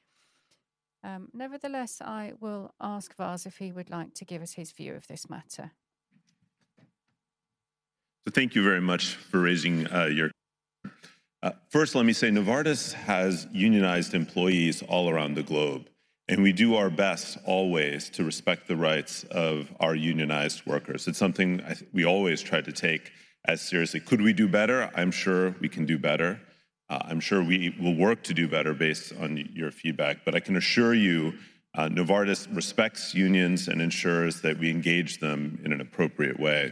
Nevertheless, I will ask Vasant if he would like to give us his view of this matter. Thank you very much for raising your question. First, let me say Novartis has unionized employees all around the globe, and we do our best always to respect the rights of our unionized workers. It's something we always try to take as seriously. Could we do better? I'm sure we can do better. I'm sure we will work to do better based on your feedback. I can assure you, Novartis respects unions and ensures that we engage them in an appropriate way.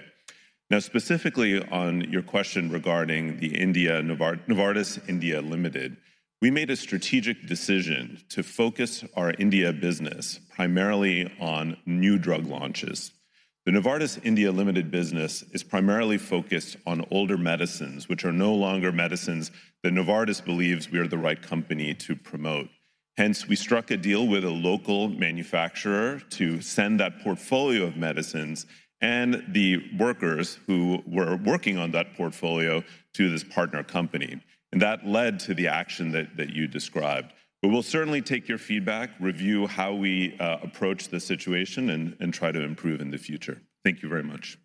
Now, specifically on your question regarding Novartis India Limited, we made a strategic decision to focus our India business primarily on new drug launches. The Novartis India Limited business is primarily focused on older medicines, which are no longer medicines that Novartis believes we are the right company to promote. Hence, we struck a deal with a local manufacturer to send that portfolio of medicines and the workers who were working on that portfolio to this partner company. And that led to the action that you described. We will certainly take your feedback, review how we approach the situation, and try to improve in the future. Thank you very much.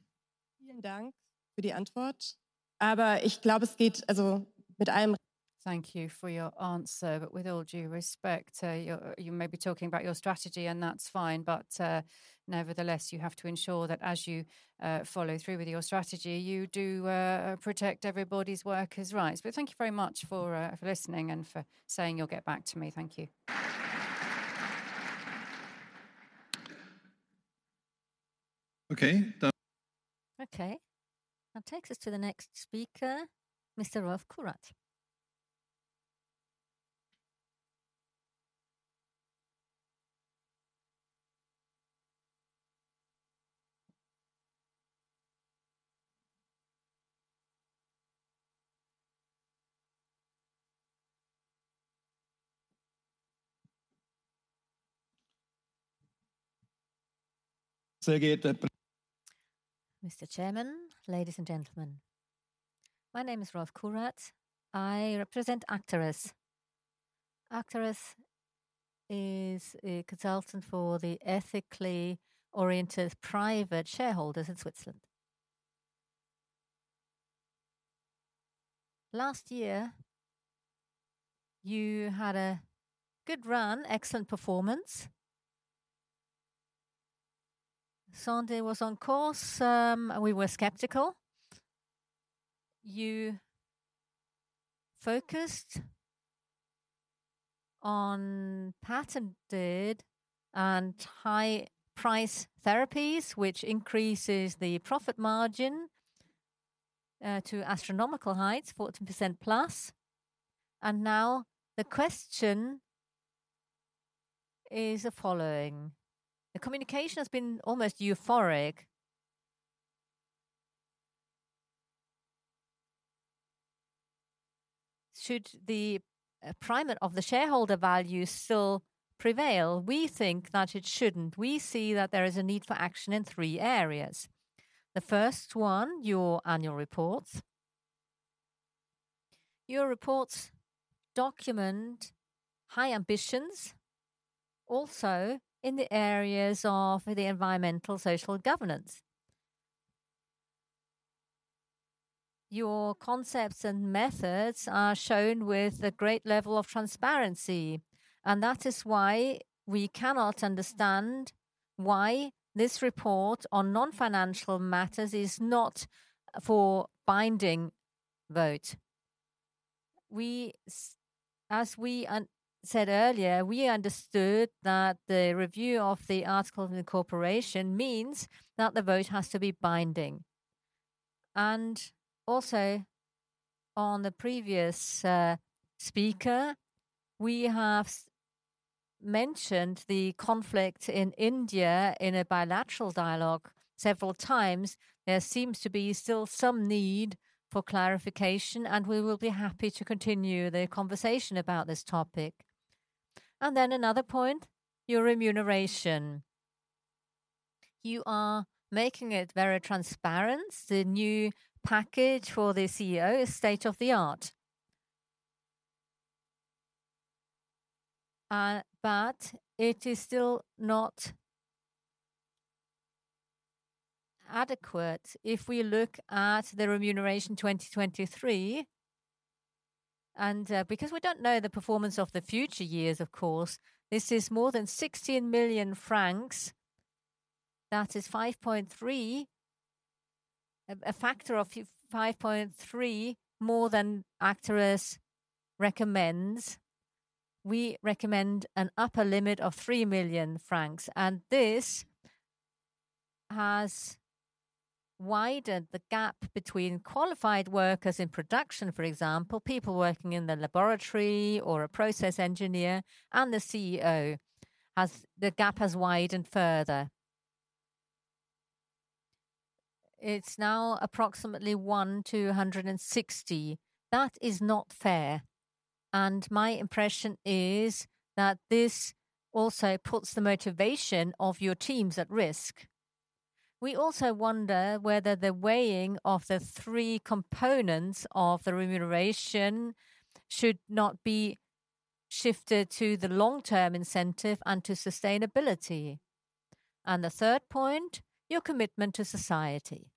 Vielen Dank für die Antwort. Aber ich glaube, es geht also mit allem. Thank you for your answer. But with all due respect, you may be talking about your strategy, and that's fine. But nevertheless, you have to ensure that as you follow through with your strategy, you do protect everybody's workers' rights. But thank you very much for listening and for saying you'll get back to me. Thank you. Okay. Okay. That takes us to the next speaker, Mr. Rolf Currat. Sehr geehrte. Mr. Chairman, ladies and gentlemen, my name is Rolf Currat. I represent Actares. Actares is a consultant for the ethically oriented private shareholders in Switzerland. Last year, you had a good run, excellent performance. Sandoz was on course. We were skeptical. You focused on patented and high-price therapies, which increases the profit margin to astronomical heights, 14% plus. Now the question is the following. The communication has been almost euphoric. Should the primacy of the shareholder value still prevail? We think that it shouldn't. We see that there is a need for action in three areas. The first one, your annual reports. Your reports document high ambitions, also in the areas of the environmental, social, and governance. Your concepts and methods are shown with a great level of transparency, and that is why we cannot understand why this report on non-financial matters is not for binding vote. As we said earlier, we understood that the review of the articles in the corporation means that the vote has to be binding. Also, on the previous speaker, we have mentioned the conflict in India in a bilateral dialogue several times. There seems to be still some need for clarification, and we will be happy to continue the conversation about this topic. Then another point, your remuneration. You are making it very transparent. The new package for the CEO is state of the art. But it is still not adequate if we look at the remuneration 2023. Because we don't know the performance of the future years, of course, this is more than 16 million francs. That is 5.3, a factor of 5.3 more than Actares recommends. We recommend an upper limit of 3 million francs. This has widened the gap between qualified workers in production, for example, people working in the laboratory or a process engineer, and the CEO. The gap has widened further. It's now approximately 1,260. That is not fair. My impression is that this also puts the motivation of your teams at risk. We also wonder whether the weighing of the three components of the remuneration should not be shifted to the long-term incentive and to sustainability. The third point, your commitment to society.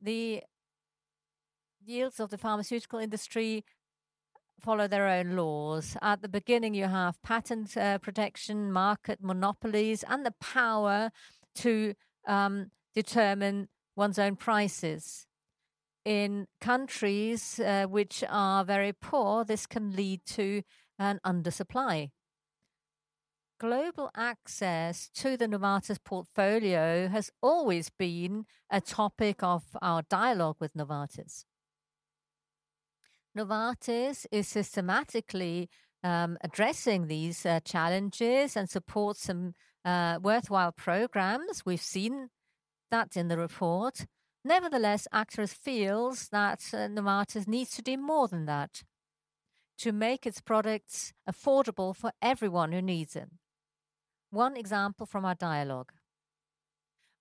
The yields of the pharmaceutical industry follow their own laws. At the beginning, you have patent protection, market monopolies, and the power to determine one's own prices. In countries, which are very poor, this can lead to an undersupply. Global access to the Novartis portfolio has always been a topic of our dialogue with Novartis. Novartis is systematically addressing these challenges and supports some worthwhile programs. We've seen that in the report. Nevertheless, Actares feels that Novartis needs to do more than that to make its products affordable for everyone who needs them. One example from our dialogue.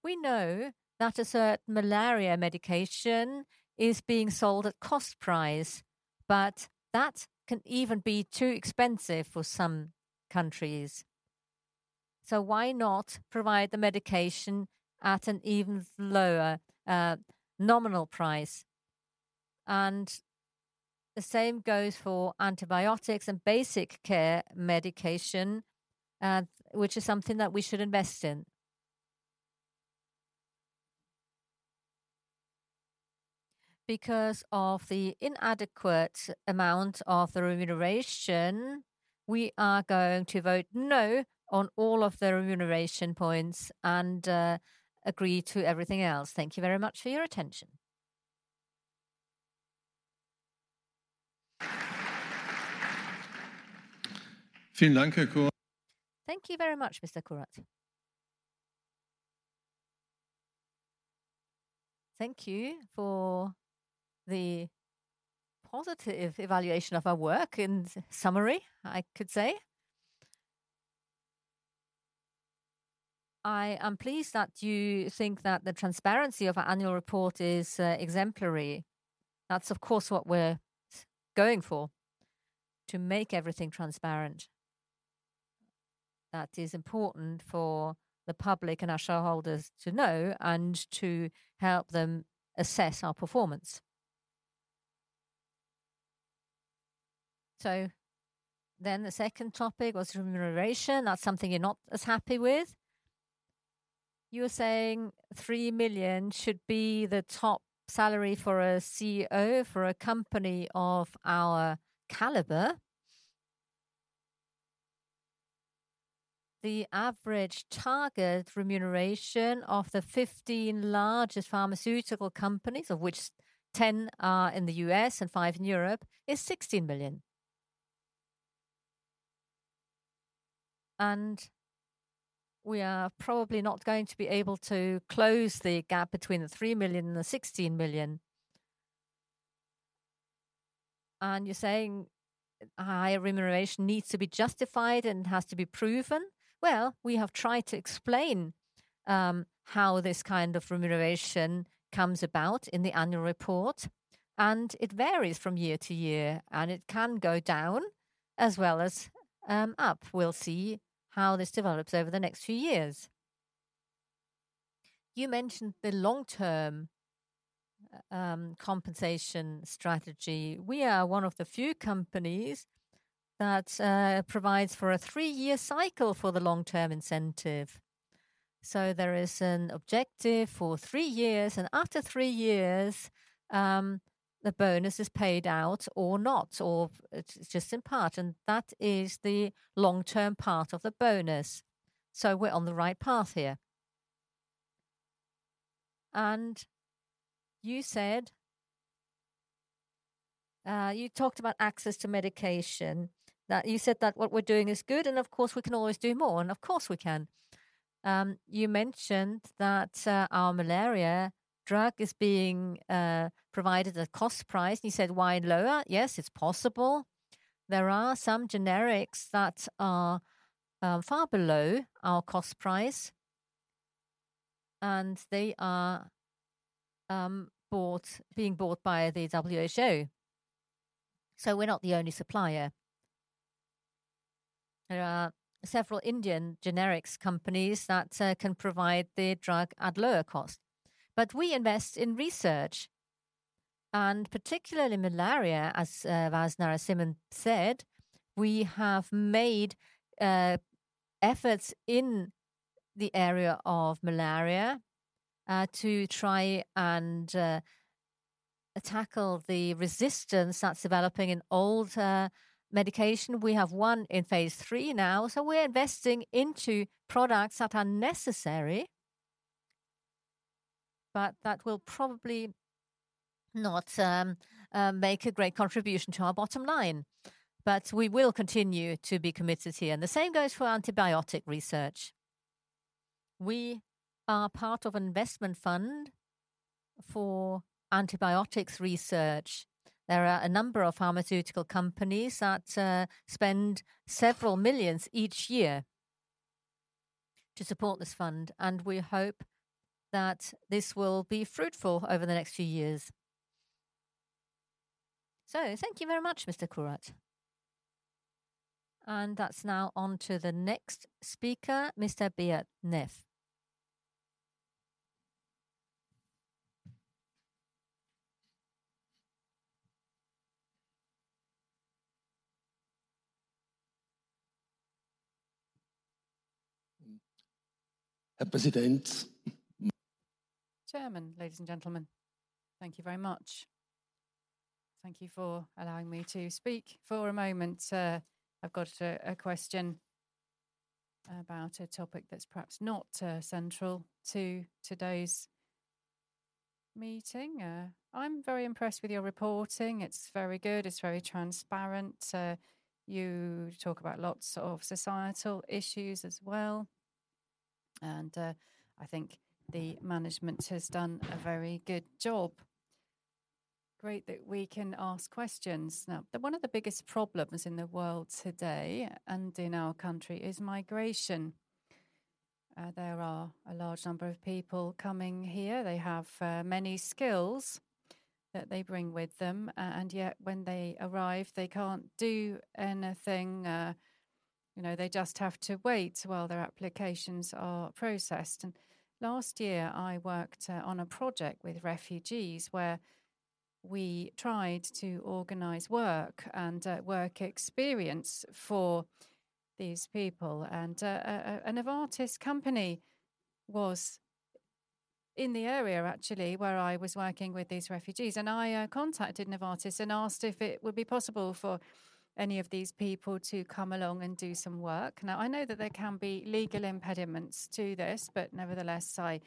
We know that a certain malaria medication is being sold at cost price, but that can even be too expensive for some countries. So why not provide the medication at an even lower nominal price? And the same goes for antibiotics and basic care medication, which is something that we should invest in. Because of the inadequate amount of the remuneration, we are going to vote no on all of the remuneration points and agree to everything else. Thank you very much for your attention. Vielen Dank, Herr Currat. Thank you very much, Mr. Currat Thank you for the positive evaluation of our work, in summary, I could say. I am pleased that you think that the transparency of our annual report is exemplary. That's, of course, what we're going for, to make everything transparent. That is important for the public and our shareholders to know and to help them assess our performance. So then the second topic was remuneration. That's something you're not as happy with. You were saying $3 million should be the top salary for a CEO for a company of our caliber. The average target remuneration of the 15 largest pharmaceutical companies, of which 10 are in the US and 5 in Europe, is $16 million. And we are probably not going to be able to close the gap between the $3 million and the $16 million. And you're saying higher remuneration needs to be justified and has to be proven. Well, we have tried to explain how this kind of remuneration comes about in the annual report, and it varies from year to year, and it can go down as well as up. We'll see how this develops over the next few years. You mentioned the long-term compensation strategy. We are one of the few companies that provides for a three-year cycle for the long-term incentive. So there is an objective for three years, and after three years, the bonus is paid out or not, or it's just in part. And that is the long-term part of the bonus. So we're on the right path here. And you said you talked about access to medication, that you said that what we're doing is good, and of course we can always do more, and of course we can. You mentioned that our malaria drug is being provided at a cost price, and you said why lower? Yes, it's possible. There are some generics that are far below our cost price, and they are being bought by the WHO. So we're not the only supplier. There are several Indian generics companies that can provide the drug at lower cost. But we invest in research, and particularly malaria, as Vasant Narasimhan said, we have made efforts in the area of malaria to try and tackle the resistance that's developing in older medication. We have one in phase three now, so we're investing into products that are necessary, but that will probably not make a great contribution to our bottom line. But we will continue to be committed here, and the same goes for antibiotic research. We are part of an investment fund for antibiotics research. There are a number of pharmaceutical companies that spend several million CHF each year to support this fund, and we hope that this will be fruitful over the next few years. So thank you very much, Mr. Currat. And that's now on to the next speaker, Mr. Beat Neff. Herr Präsident. Chairman, ladies and gentlemen, thank you very much. Thank you for allowing me to speak for a moment. I've got a question about a topic that's perhaps not central to today's meeting. I'm very impressed with your reporting. It's very good. It's very transparent. You talk about lots of societal issues as well. And I think the management has done a very good job. Great that we can ask questions. Now, one of the biggest problems in the world today and in our country is migration. There are a large number of people coming here. They have many skills that they bring with them. Yet, when they arrive, they can't do anything. You know, they just have to wait while their applications are processed. Last year, I worked on a project with refugees where we tried to organize work and work experience for these people. A Novartis company was in the area, actually, where I was working with these refugees. I contacted Novartis and asked if it would be possible for any of these people to come along and do some work. Now, I know that there can be legal impediments to this, but nevertheless, I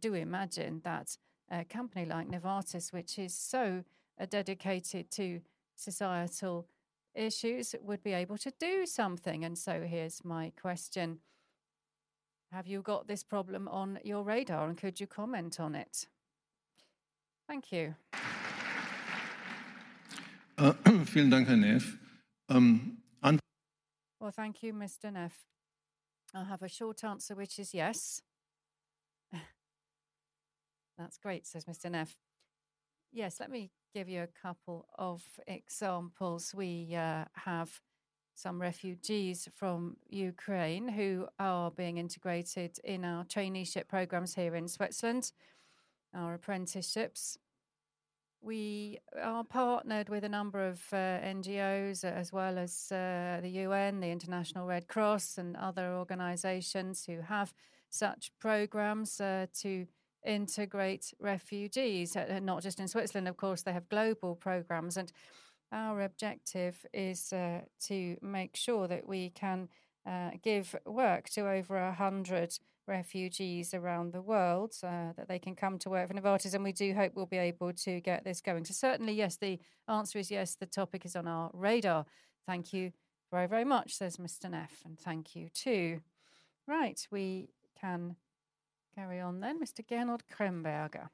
do imagine that a company like Novartis, which is so dedicated to societal issues, would be able to do something. So here's my question. Have you got this problem on your radar, and could you comment on it? Thank you. Vielen Dank, Herr Neff. Well, thank you, Mr. Neff. I'll have a short answer, which is yes. That's great, says Mr. Neff. Yes, let me give you a couple of examples. We have some refugees from Ukraine who are being integrated in our traineeship programs here in Switzerland, our apprenticeships. We are partnered with a number of NGOs, as well as the UN, the International Red Cross, and other organizations who have such programs to integrate refugees. Not just in Switzerland, of course, they have global programs. Our objective is to make sure that we can give work to over 100 refugees around the world, that they can come to work for Novartis. We do hope we'll be able to get this going. So certainly, yes, the answer is yes. The topic is on our radar. Thank you very, very much, says Mr. Neff. And thank you too. Right, we can carry on then. Mr. Gernot Quirin. Sehr geehrte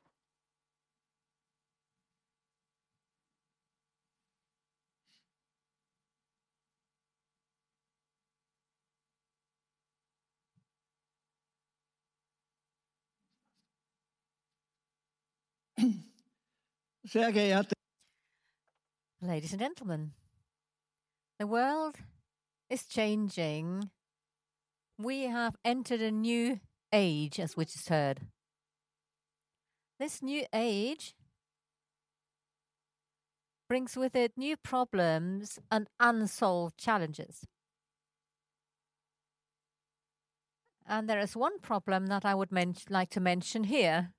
Ladies and gentlemen, the world is changing. We have entered a new age, as we just heard. This new age brings with it new problems and unsolved challenges. There is one problem that I would like to mention here.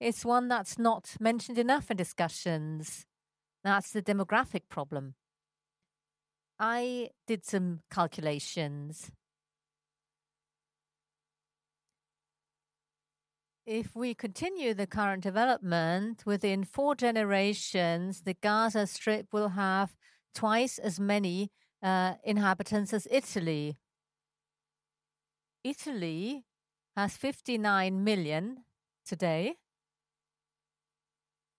It's one that's not mentioned enough in discussions. That's the demographic problem. I did some calculations. If we continue the current development, within 4 generations, the Gaza Strip will have twice as many inhabitants as Italy. Italy has 59 million today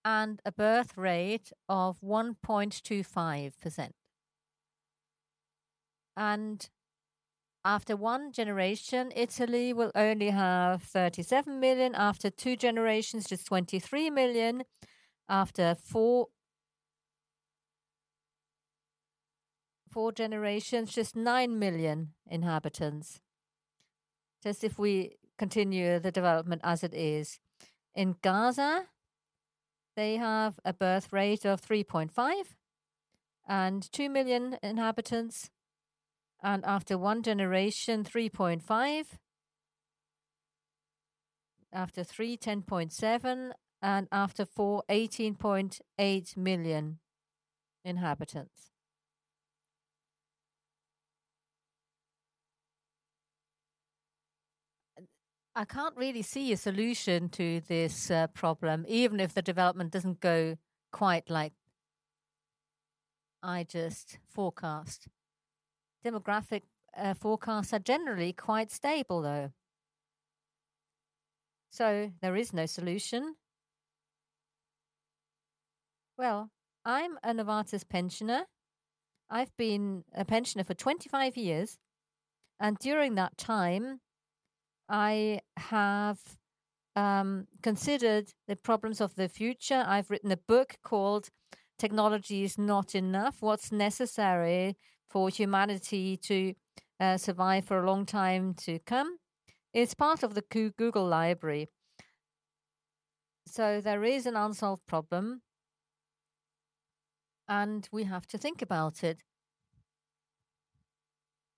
and a birth rate of 1.25%. After 1 generation, Italy will only have 37 million. After 2 generations, just 23 million. After 4 generations, just 9 million inhabitants. Just, if we continue the development as it is. In Gaza, they have a birth rate of 3.5 and 2 million inhabitants. After 1 generation, 3.5. After 3, 10.7. And after 4, 18.8 million inhabitants. I can't really see a solution to this problem, even if the development doesn't go quite like I just forecast. Demographic forecasts are generally quite stable, though. So there is no solution. Well, I'm a Novartis pensioner. I've been a pensioner for 25 years. And during that time, I have considered the problems of the future. I've written a book called "Technology is Not Enough: What's Necessary for Humanity to Survive for a Long Time to Come." It's part of the Google Library. So there is an unsolved problem, and we have to think about it.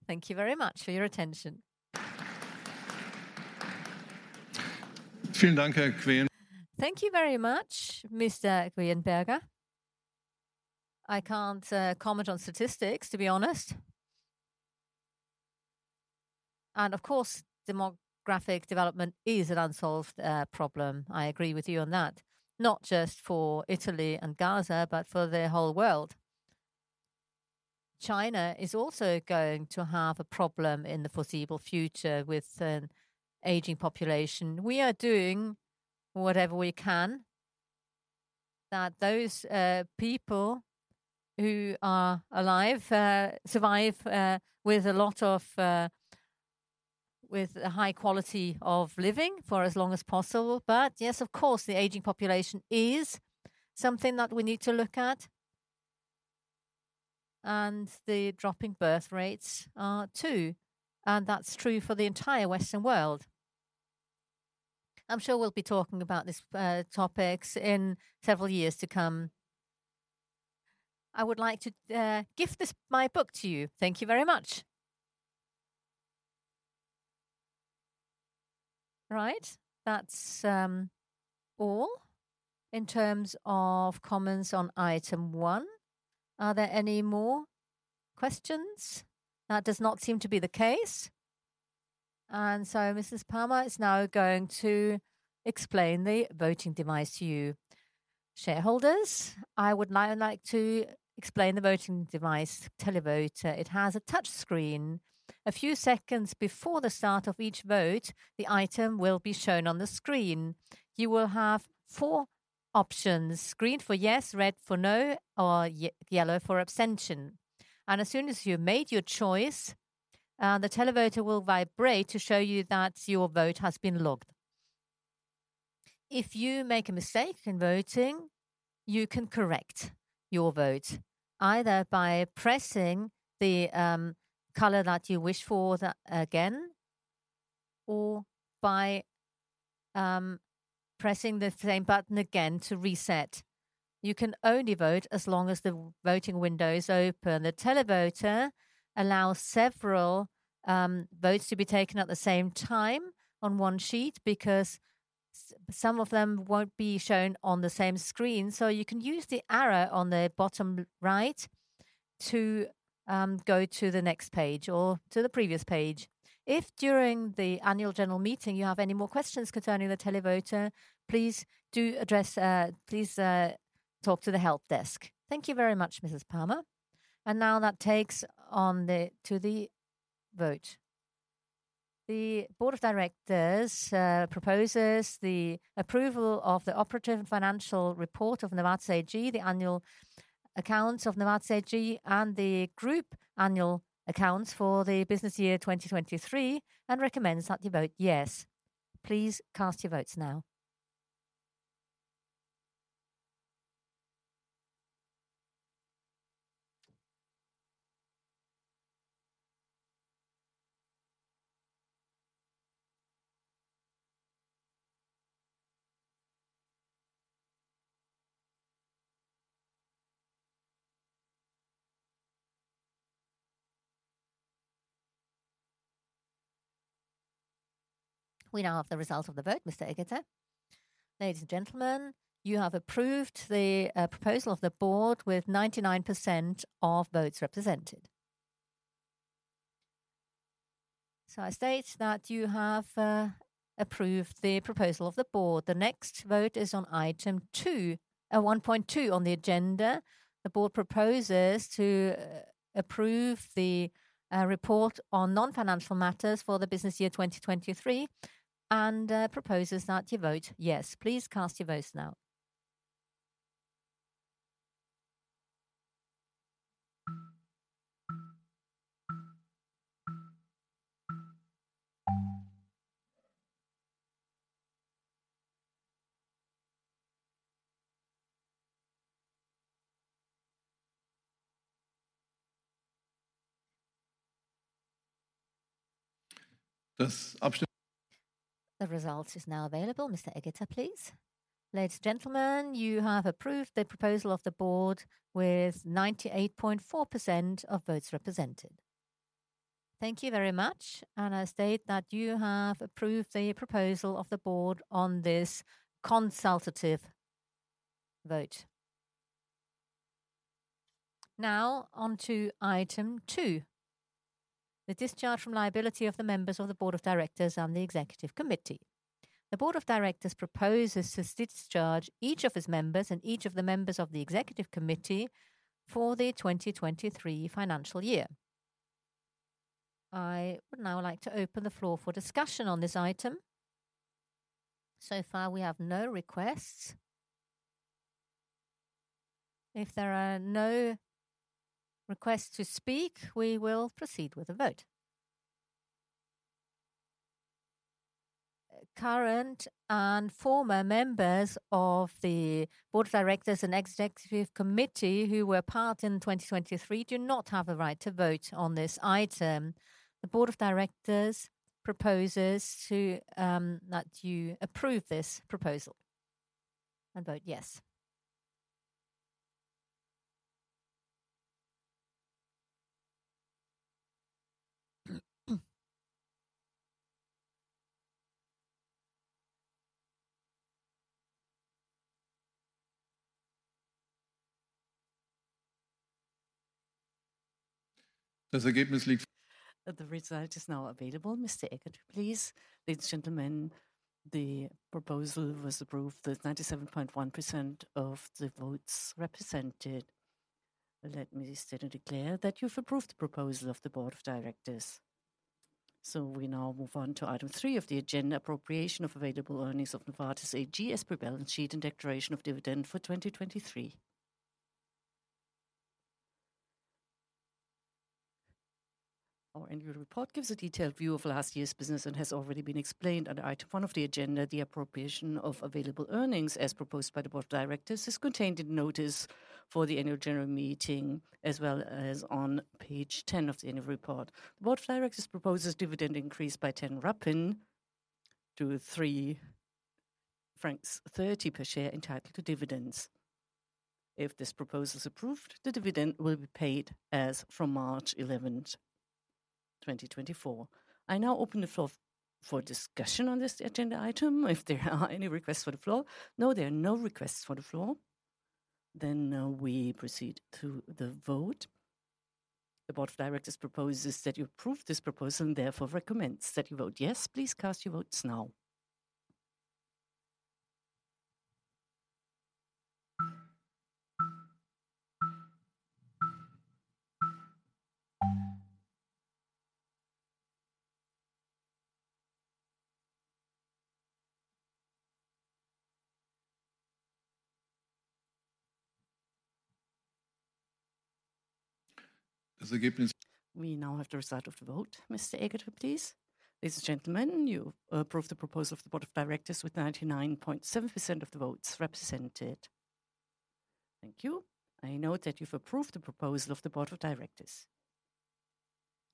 Thank you very much for your attention. Vielen Dank, Herr Quirin. Thank you very much, Mr. Quirin. I can't comment on statistics, to be honest. And of course, demographic development is an unsolved problem. I agree with you on that. Not just for Italy and Gaza, but for the whole world. China is also going to have a problem in the foreseeable future with an aging population. We are doing whatever we can that those people who are alive survive with a lot of high quality of living for as long as possible. But yes, of course, the aging population is something that we need to look at. And the dropping birth rates are too. And that's true for the entire Western world. I'm sure we'll be talking about these topics in several years to come. I would like to gift my book to you. Thank you very much. Right, that's all in terms of comments on item one. Are there any more questions? That does not seem to be the case. And so Ms. Pamer is now going to explain the voting device to you shareholders. I would like to explain the voting device, Televoter. It has a touchscreen. A few seconds before the start of each vote, the item will be shown on the screen. You will have four options: green for yes, red for no, or yellow for abstention. And as soon as you've made your choice, the Televoter will vibrate to show you that your vote has been logged. If you make a mistake in voting, you can correct your vote either by pressing the color that you wish for again, or by pressing the same button again to reset. You can only vote as long as the voting window is open. The Televoter allows several votes to be taken at the same time on one sheet because some of them won't be shown on the same screen. So you can use the arrow on the bottom right to go to the next page or to the previous page. If during the annual general meeting you have any more questions concerning the Televoter, please do address, please, talk to the help desk. Thank you very much, Ms. Pamer. And now that takes us on to the vote. The Board of Directors proposes the approval of the operative and financial report of Novartis AG, the annual accounts of Novartis AG, and the group annual accounts for the business year 2023, and recommends that you vote yes. Please cast your votes now. We now have the result of the vote, Mr. Aegerter. Ladies and gentlemen, you have approved the proposal of the board with 99% of votes represented. So I state that you have approved the proposal of the board. The next vote is on item two, a 1.2 on the agenda. The board proposes to approve the report on non-financial matters for the business year 2023 and proposes that you vote yes. Please cast your votes now. Das Abstimmungs. The result is now available, Mr. Aegerter, please. Ladies and gentlemen, you have approved the proposal of the board with 98.4% of votes represented. Thank you very much, and I state that you have approved the proposal of the board on this consultative vote. Now on to item two. The discharge from liability of the members of the Board of Directors and the Executive Committee. The Board of Directors proposes to discharge each of its members and each of the members of the Executive Committee for the 2023 financial year. I would now like to open the floor for discussion on this item. So far, we have no requests. If there are no requests to speak, we will proceed with a vote. Current and former members of the Board of Directors and Executive Committee who were part in 2023 do not have the right to vote on this item. The Board of Directors proposes to, that you approve this proposal and vote yes. Das Ergebnis liegt. The result is now available, Mr. Aegerter, please. Ladies and gentlemen, the proposal was approved with 97.1% of the votes represented. Let me state and declare that you have approved the proposal of the Board of Directors. We now move on to item three of the agenda: appropriation of available earnings of Novartis AG as per balance sheet and declaration of dividend for 2023. Our annual report gives a detailed view of last year's business and has already been explained under item one of the agenda. The appropriation of available earnings as proposed by the Board of Directors is contained in notice for the annual general meeting, as well as on page 10 of the annual report. The Board of Directors proposes dividend increase by 0.10 CHF to 3.30 francs per share entitled to dividends. If this proposal is approved, the dividend will be paid as from March 11th, 2024. I now open the floor for discussion on this agenda item. If there are any requests for the floor? No, there are no requests for the floor. Then we proceed to the vote. The Board of Directors proposes that you approve this proposal and therefore recommends that you vote yes. Please cast your votes now. Das Ergebnis. We now have the result of the vote. Mr. Aegerter, please. Ladies and gentlemen, you approve the proposal of the Board of Directors with 99.7% of the votes represented. Thank you. I note that you've approved the proposal of the Board of Directors.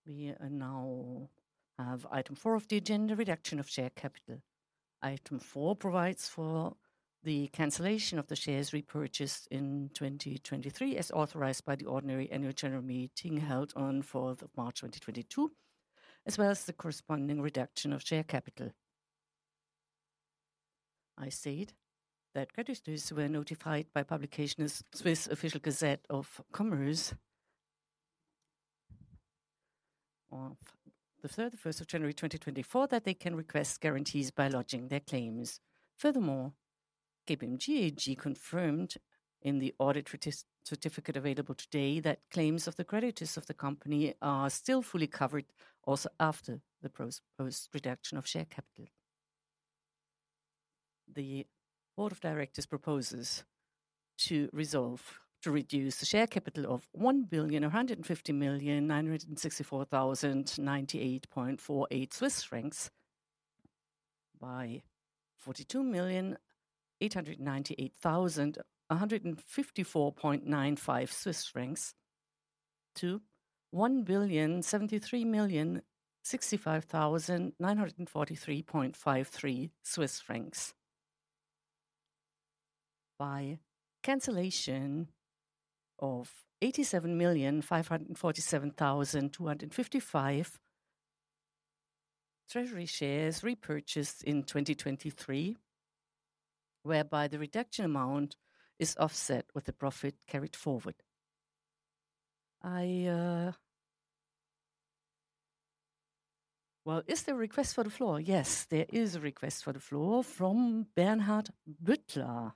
We now have item four of the agenda: reduction of share capital. Item four provides for the cancellation of the shares repurchased in 2023 as authorized by the ordinary annual general meeting held on the 4th of March, 2022, as well as the corresponding reduction of share capital. I state that creditors were notified by publication of the Swiss Official Gazette of Commerce on the 31st of January, 2024, that they can request guarantees by lodging their claims. Furthermore, KPMG AG confirmed in the audit certificate available today that claims of the creditors of the company are still fully covered also after the post-reduction of share capital. The Board of Directors proposes to resolve to reduce the share capital of 1,150,964,098.48 Swiss francs by 42,898,154.95 Swiss francs to 1,073,065,943.53 Swiss francs by cancellation of 87,547,255 treasury shares repurchased in 2023, whereby the reduction amount is offset with the profit carried forward. I well, is there a request for the floor? Yes, there is a request for the floor from Bernhard Bühler. Sehr geehrte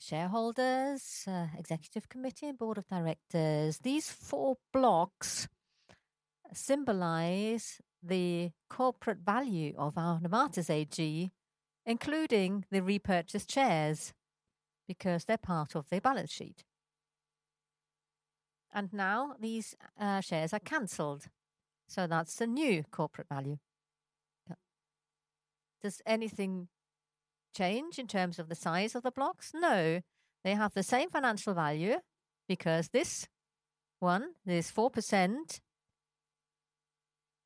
Shareholders, Executive Committee, and Board of Directors, these four blocks symbolize the corporate value of our Novartis AG, including the repurchased shares because they're part of their balance sheet. And now these shares are cancelled, so that's the new corporate value. Does anything change in terms of the size of the blocks? No, they have the same financial value because this one, this 4%,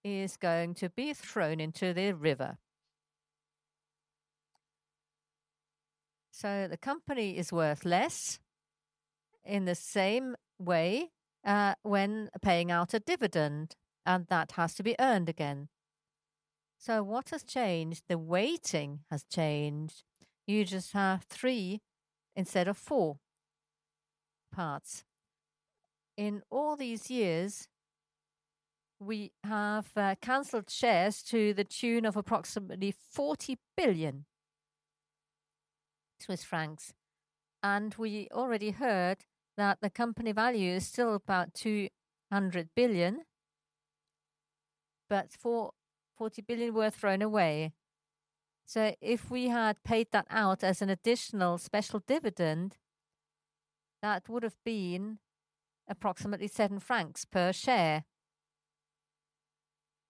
is going to be thrown into the river. So the company is worth less in the same way, when paying out a dividend, and that has to be earned again. So what has changed? The weighting has changed. You just have three instead of four parts. In all these years, we have canceled shares to the tune of approximately 40 billion Swiss francs. And we already heard that the company value is still about 200 billion, but 40 billion were thrown away. So if we had paid that out as an additional special dividend, that would have been approximately 7 francs per share,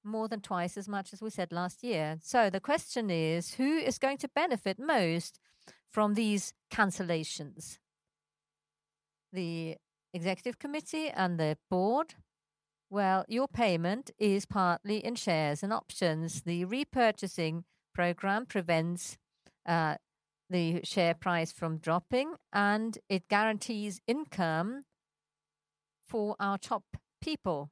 more than twice as much as we said last year. So the question is, who is going to benefit most from these cancellations? The Executive Committee and the Board? Well, your payment is partly in shares and options. The repurchasing program prevents the share price from dropping, and it guarantees income for our top people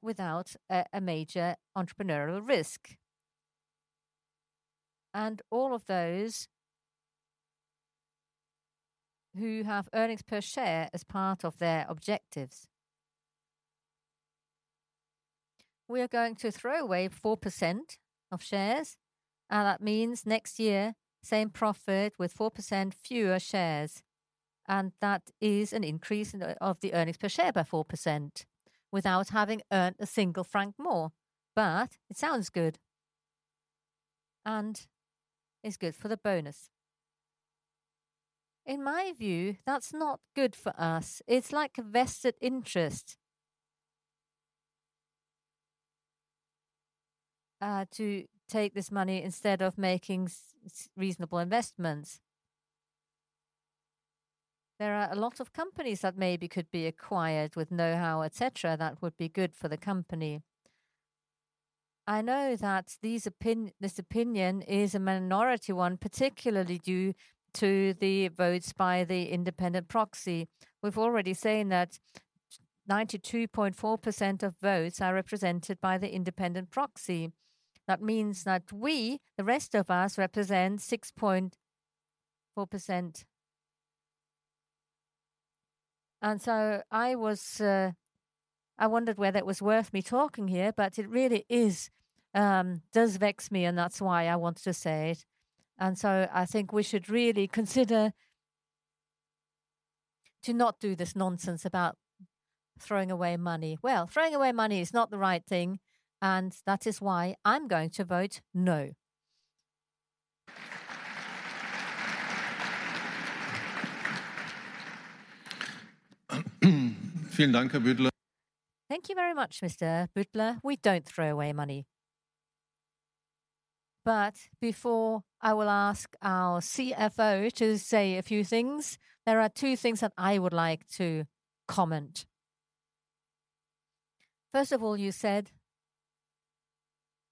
without a major entrepreneurial risk. And all of those who have earnings per share as part of their objectives. We are going to throw away 4% of shares, and that means next year, same profit with 4% fewer shares. And that is an increase of the earnings per share by 4% without having earned CHF 1 more. But it sounds good, and it's good for the bonus. In my view, that's not good for us. It's like a vested interest to take this money instead of making reasonable investments. There are a lot of companies that maybe could be acquired with know-how, etc. That would be good for the company. I know that this opinion is a minority one, particularly due to the votes by the independent proxy. We've already said that 92.4% of votes are represented by the independent proxy. That means that we, the rest of us, represent 6.4%. And so I was, I wondered whether it was worth me talking here, but it really is, does vex me, and that's why I wanted to say it. And so I think we should really consider to not do this nonsense about throwing away money. Well, throwing away money is not the right thing, and that is why I'm going to vote no. Vielen Dank, Herr Büttler. Thank you very much, Mr. Büttler. We don't throw away money. But before I will ask our CFO to say a few things, there are two things that I would like to comment. First of all, you said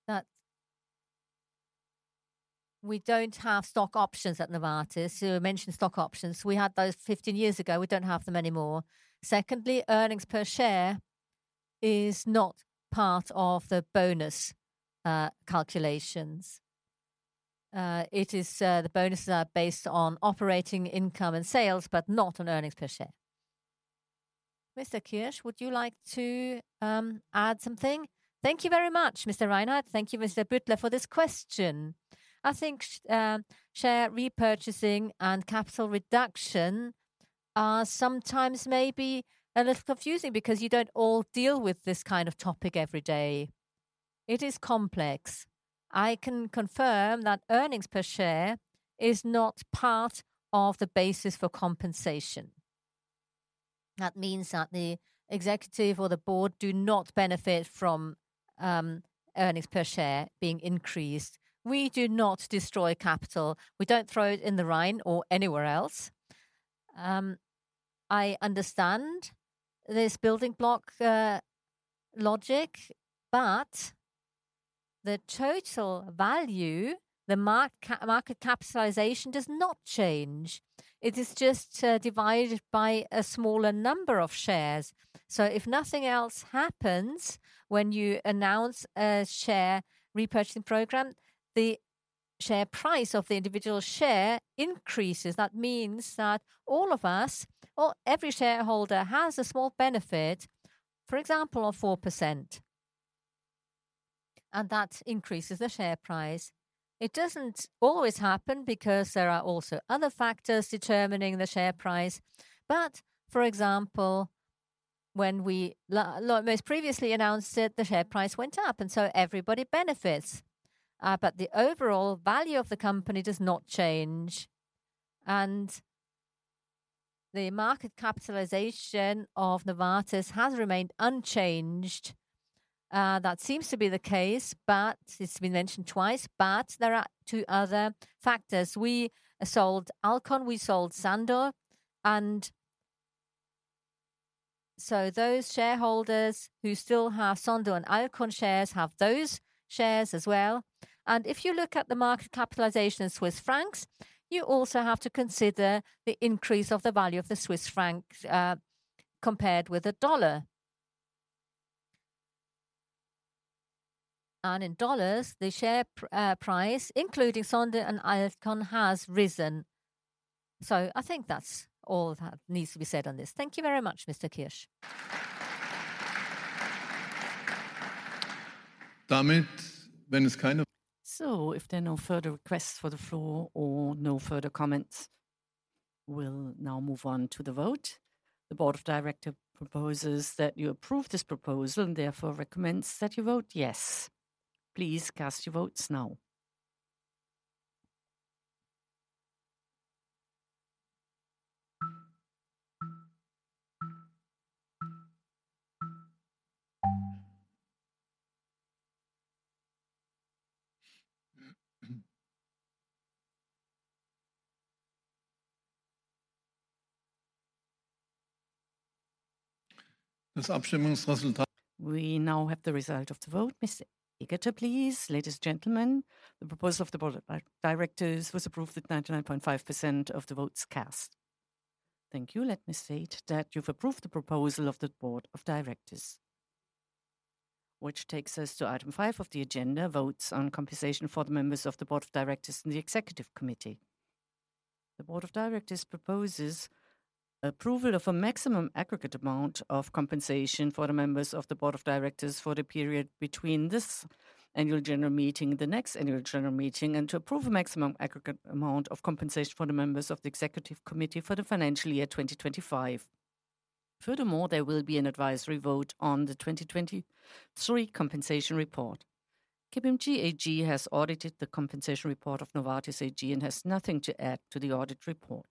that we don't have stock options at Novartis. You mentioned stock options. We had those 15 years ago. We don't have them anymore. Secondly, earnings per share is not part of the bonus calculations. It is, the bonuses are based on operating income and sales, but not on earnings per share. Mr. Kirsch, would you like to add something? Thank you very much, Mr. Reinhardt. Thank you, Mr. Büttler, for this question. I think share repurchasing and capital reduction are sometimes maybe a little confusing because you don't all deal with this kind of topic every day. It is complex. I can confirm that earnings per share is not part of the basis for compensation. That means that the executive or the board do not benefit from earnings per share being increased. We do not destroy capital. We don't throw it in the Rhine or anywhere else. I understand this building block logic, but the total value, the market capitalization does not change. It is just divided by a smaller number of shares. So if nothing else happens when you announce a share repurchasing program, the share price of the individual share increases. That means that all of us, or every shareholder, has a small benefit, for example, of 4%. And that increases the share price. It doesn't always happen because there are also other factors determining the share price. But, for example, when we most previously announced it, the share price went up, and so everybody benefits. But the overall value of the company does not change. And the market capitalization of Novartis has remained unchanged. That seems to be the case, but it's been mentioned twice, but there are two other factors. We sold Alcon. We sold Sandoz. And so those shareholders who still have Sandoz and Alcon shares have those shares as well. And if you look at the market capitalization in Swiss francs, you also have to consider the increase of the value of the Swiss franc, compared with the dollar. And in dollars, the share price, including Sandoz and Alcon has risen. So I think that's all that needs to be said on this. Thank you very much, Mr. Kirsch. Damit, wenn es keine. So if there are no further requests for the floor or no further comments, we'll now move on to the vote. The Board of Directors proposes that you approve this proposal and therefore recommends that you vote yes. Please cast your votes now. Das Abstimmungsresultat. We now have the result of the vote. Mr. Aegerter, please. Ladies and gentlemen, the proposal of the Board of Directors was approved at 99.5% of the votes cast. Thank you. Let me state that you've approved the proposal of the Board of Directors, which takes us to item five of the agenda: votes on compensation for the members of the Board of Directors and the Executive Committee. The Board of Directors proposes approval of a maximum aggregate amount of compensation for the members of the Board of Directors for the period between this annual general meeting, the next annual general meeting, and to approve a maximum aggregate amount of compensation for the members of the Executive Committee for the financial year 2025. Furthermore, there will be an advisory vote on the 2023 compensation report. KPMG AG has audited the compensation report of Novartis AG and has nothing to add to the audit report.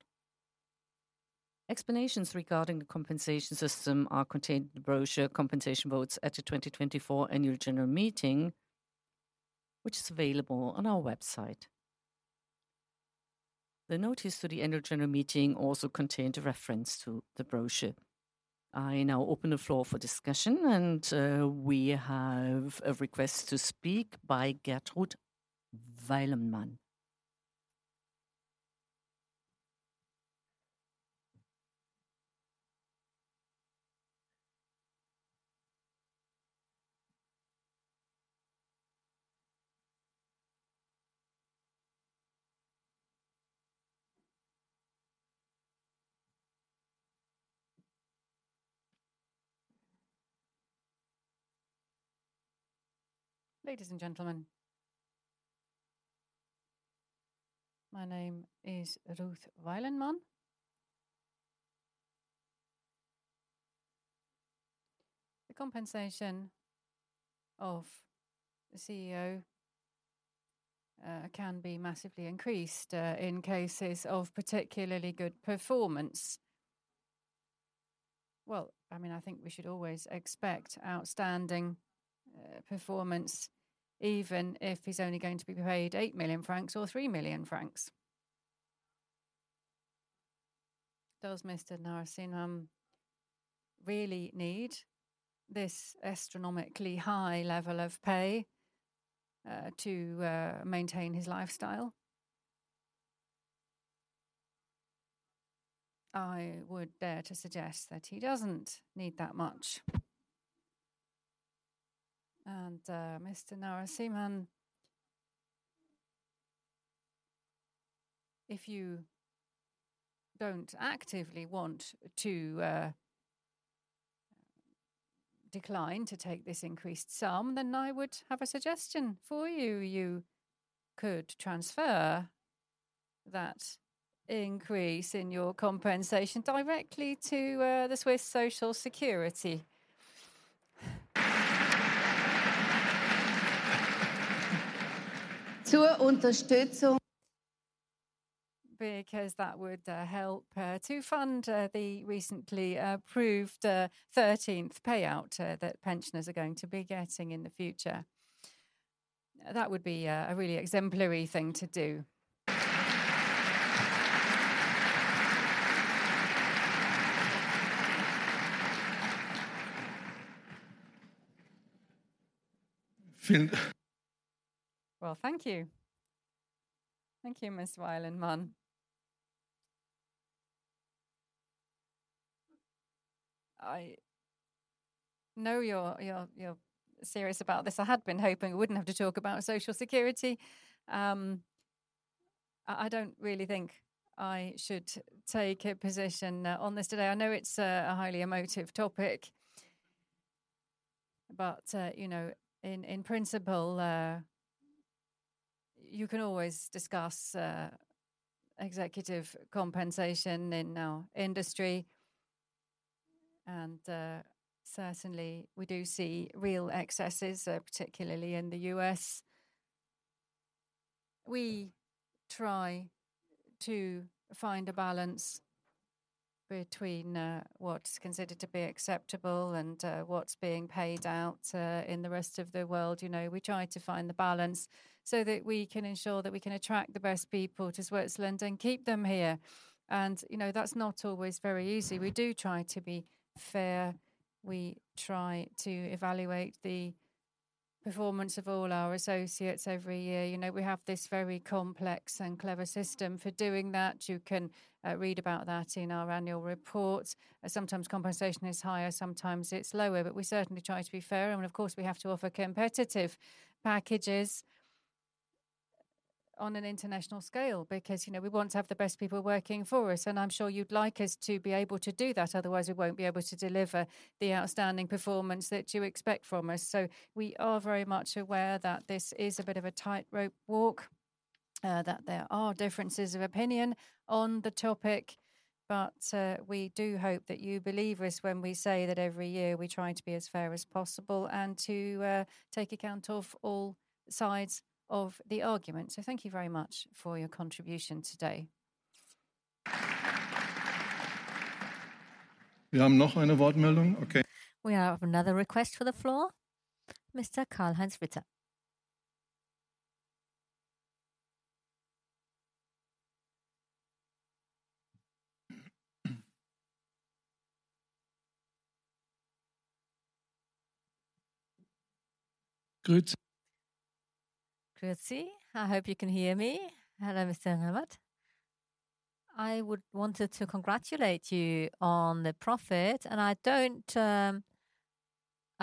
Explanations regarding the compensation system are contained in the brochure "Compensation Votes at the 2024 Annual General Meeting," which is available on our website. The notice to the annual general meeting also contains a reference to the brochure. I now open the floor for discussion, and we have a request to speak by Gertrude Weilemann. Ladies and gentlemen, my name is Ruth Weilemann. The compensation of the CEO can be massively increased in cases of particularly good performance. Well, I mean, I think we should always expect outstanding performance, even if he's only going to be paid 8 million francs or 3 million francs. Does Mr. Narasimhan really need this astronomically high level of pay to maintain his lifestyle? I would dare to suggest that he doesn't need that much. And Mr. Narasimhan, if you don't actively want to decline to take this increased sum, then I would have a suggestion for you. You could transfer that increase in your compensation directly to the Swiss Social Security. Zur Unterstützung. Because that would help to fund the recently approved 13th payout that pensioners are going to be getting in the future. That would be a really exemplary thing to do. Viel. Well, thank you. Thank you, Ms. Weilemann. I know you're serious about this. I had been hoping we wouldn't have to talk about Social Security. I don't really think I should take a position on this today. I know it's a highly emotive topic, but you know, in principle, you can always discuss executive compensation in our industry. And certainly, we do see real excesses, particularly in the U.S. We try to find a balance between what's considered to be acceptable and what's being paid out in the rest of the world. You know, we try to find the balance so that we can ensure that we can attract the best people to Switzerland and keep them here. And you know, that's not always very easy. We do try to be fair. We try to evaluate the performance of all our associates every year. You know, we have this very complex and clever system for doing that. You can read about that in our annual report. Sometimes compensation is higher, sometimes it's lower, but we certainly try to be fair. And of course, we have to offer competitive packages on an international scale because, you know, we want to have the best people working for us. And I'm sure you'd like us to be able to do that. Otherwise, we won't be able to deliver the outstanding performance that you expect from us. So we are very much aware that this is a bit of a tightrope walk, that there are differences of opinion on the topic, but we do hope that you believe us when we say that every year we try to be as fair as possible and to take account of all sides of the argument. So thank you very much for your contribution today. Wir haben noch eine Wortmeldung. We have another request for the floor. Mr. Karl-Heinz Ritter. Gut. Grazie. I hope you can hear me. Hello, Mr. Reinhardt. I would want to congratulate you on the profit, and I don't—I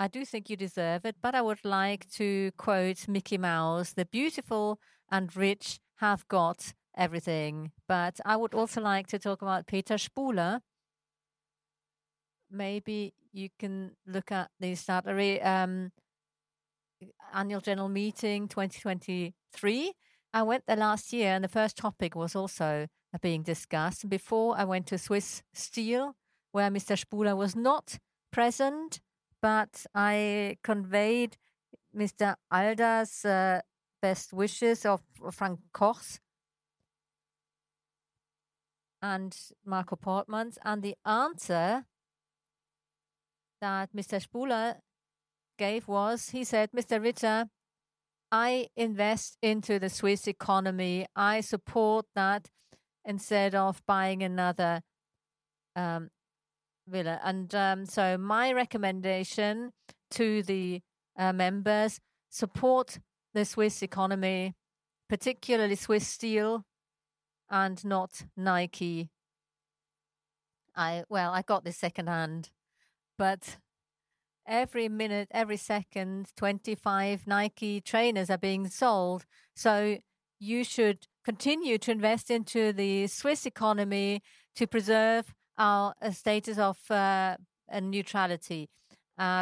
do think you deserve it, but I would like to quote Mickey Mouse: "The beautiful and rich have got everything." But I would also like to talk about Peter Spuhler. Maybe you can look at the annual general meeting 2023. I went there last year, and the first topic was also being discussed. Before, I went to Swiss Steel, where Mr. Spoeler was not present, but I conveyed Mr. Alder's best wishes of Frank Koch and Marco Portmann. And the answer that Mr. Spoeler gave was, he said, "Mr. Ritter, I invest into the Swiss economy. I support that instead of buying another villa." And so my recommendation to the members: support the Swiss economy, particularly Swiss Steel, and not Nike. Well, I got this secondhand, but every minute, every second, 25 Nike trainers are being sold. So you should continue to invest into the Swiss economy to preserve our status of neutrality,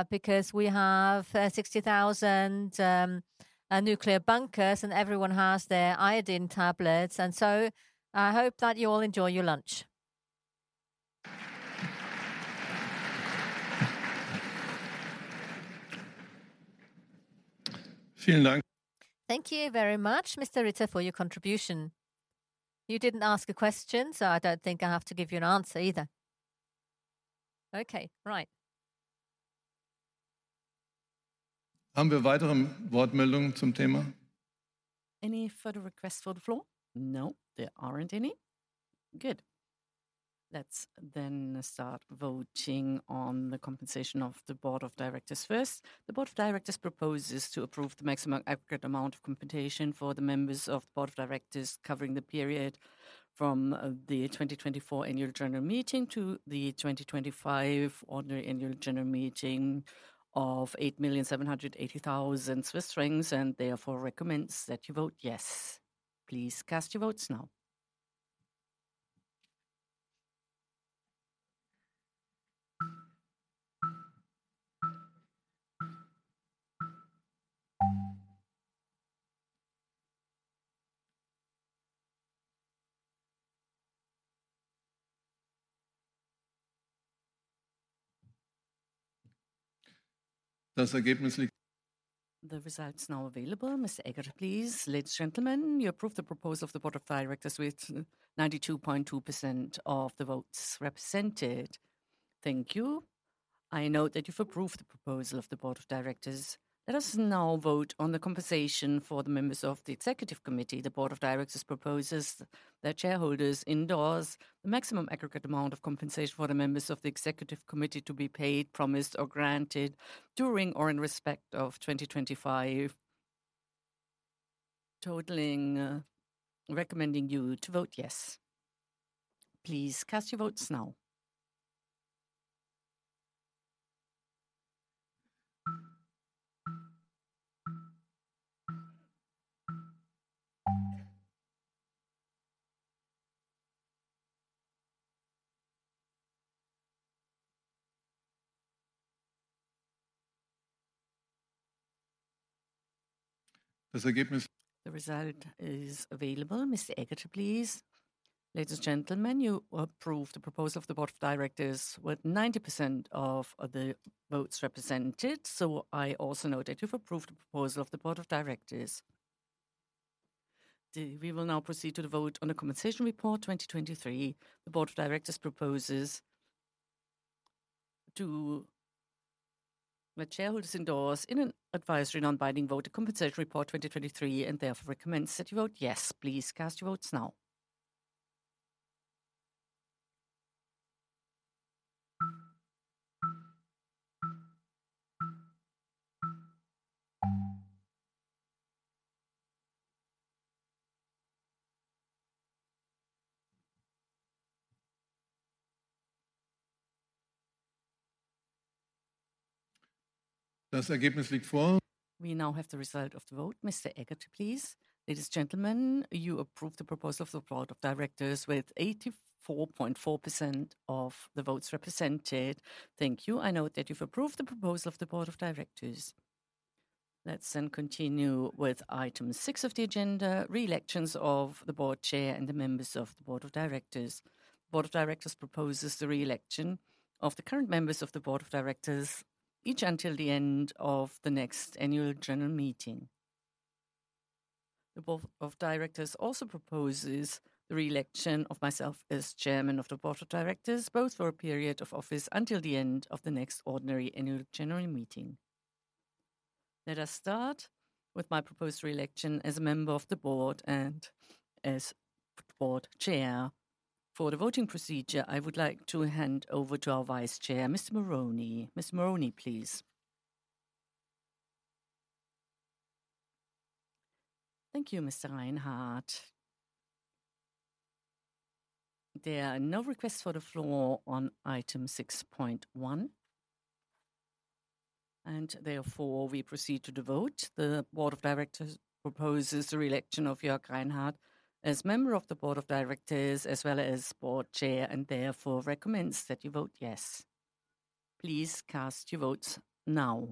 because we have 60,000 nuclear bunkers and everyone has their iodine tablets. And so I hope that you all enjoy your lunch. Vielen Dank. Thank you very much, Mr. Ritter, for your contribution. You didn't ask a question, so I don't think I have to give you an answer either. Okay, right. Haben wir weitere Wortmeldungen zum Thema? Any further requests for the floor? No, there aren't any. Good. Let's start voting on the compensation of the Board of Directors first. The Board of Directors proposes to approve the maximum aggregate amount of compensation for the members of the Board of Directors covering the period from the 2024 annual general meeting to the 2025 ordinary annual general meeting of 8,780,000 Swiss francs. Therefore recommends that you vote yes. Please cast your votes now. Das Ergebnis. The results are now available. Mr. Aegerter, please. Ladies and gentlemen, you approve the proposal of the Board of Directors with 92.2% of the votes represented. Thank you. I note that you've approved the proposal of the Board of Directors. Let us now vote on the compensation for the members of the Executive Committee. The Board of Directors proposes that shareholders endorse the maximum aggregate amount of compensation for the members of the Executive Committee to be paid, promised, or granted during or in respect of 2025, totaling recommending you to vote yes. Please cast your votes now. Das Ergebnis. The result is available. Ms. Egiter, please. Ladies and gentlemen, you approve the proposal of the Board of Directors with 90% of the votes represented. So I also note that you've approved the proposal of the Board of Directors. We will now proceed to the vote on the compensation report 2023. The Board of Directors proposes to let shareholders endorse in an advisory non-binding vote the compensation report 2023 and therefore recommends that you vote yes. Please cast your votes now. Das Ergebnis liegt vor. We now have the result of the vote. Mr. Aegerter, please. Ladies and gentlemen, you approve the proposal of the Board of Directors with 84.4% of the votes represented. Thank you. I note that you've approved the proposal of the Board of Directors. Let's then continue with item six of the agenda: reelections of the Board Chair and the members of the Board of Directors. The Board of Directors proposes the reelection of the current members of the Board of Directors, each until the end of the next annual general meeting. The Board of Directors also proposes the reelection of myself as Chairman of the Board of Directors, both for a period of office until the end of the next ordinary annual general meeting. Let us start with my proposed reelection as a member of the Board and as Board Chair. For the voting procedure, I would like to hand over to our vice chair, Mr. Moroney. Mr. Moroney, please. Thank you, Mr. Reinhardt. There are no requests for the floor on item 6.1. Therefore, we proceed to the vote. The Board of Directors proposes the reelection of Jörg Reinhardt as member of the Board of Directors, as well as board chair, and therefore recommends that you vote yes. Please cast your votes now.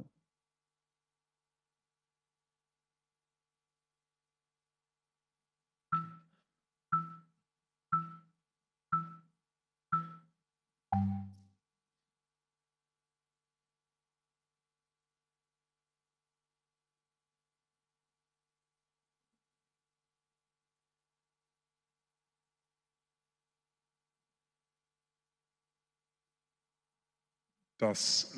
Das.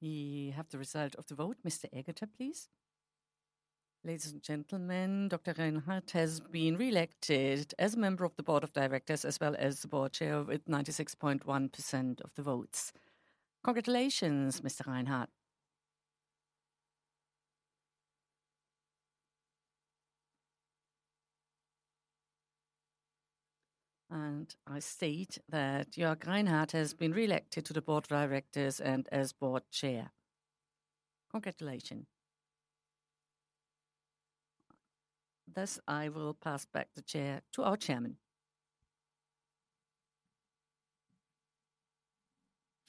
We have the result of the vote. Mr. Aegerter, please. Ladies and gentlemen, Dr. Reinhardt has been reelected as a member of the Board of Directors, as well as the board chair, with 96.1% of the votes. Congratulations, Mr. Reinhardt. I state that Jörg Reinhardt has been reelected to the Board of Directors and as board chair. Congratulations. Thus, I will pass back the chair to our chairman.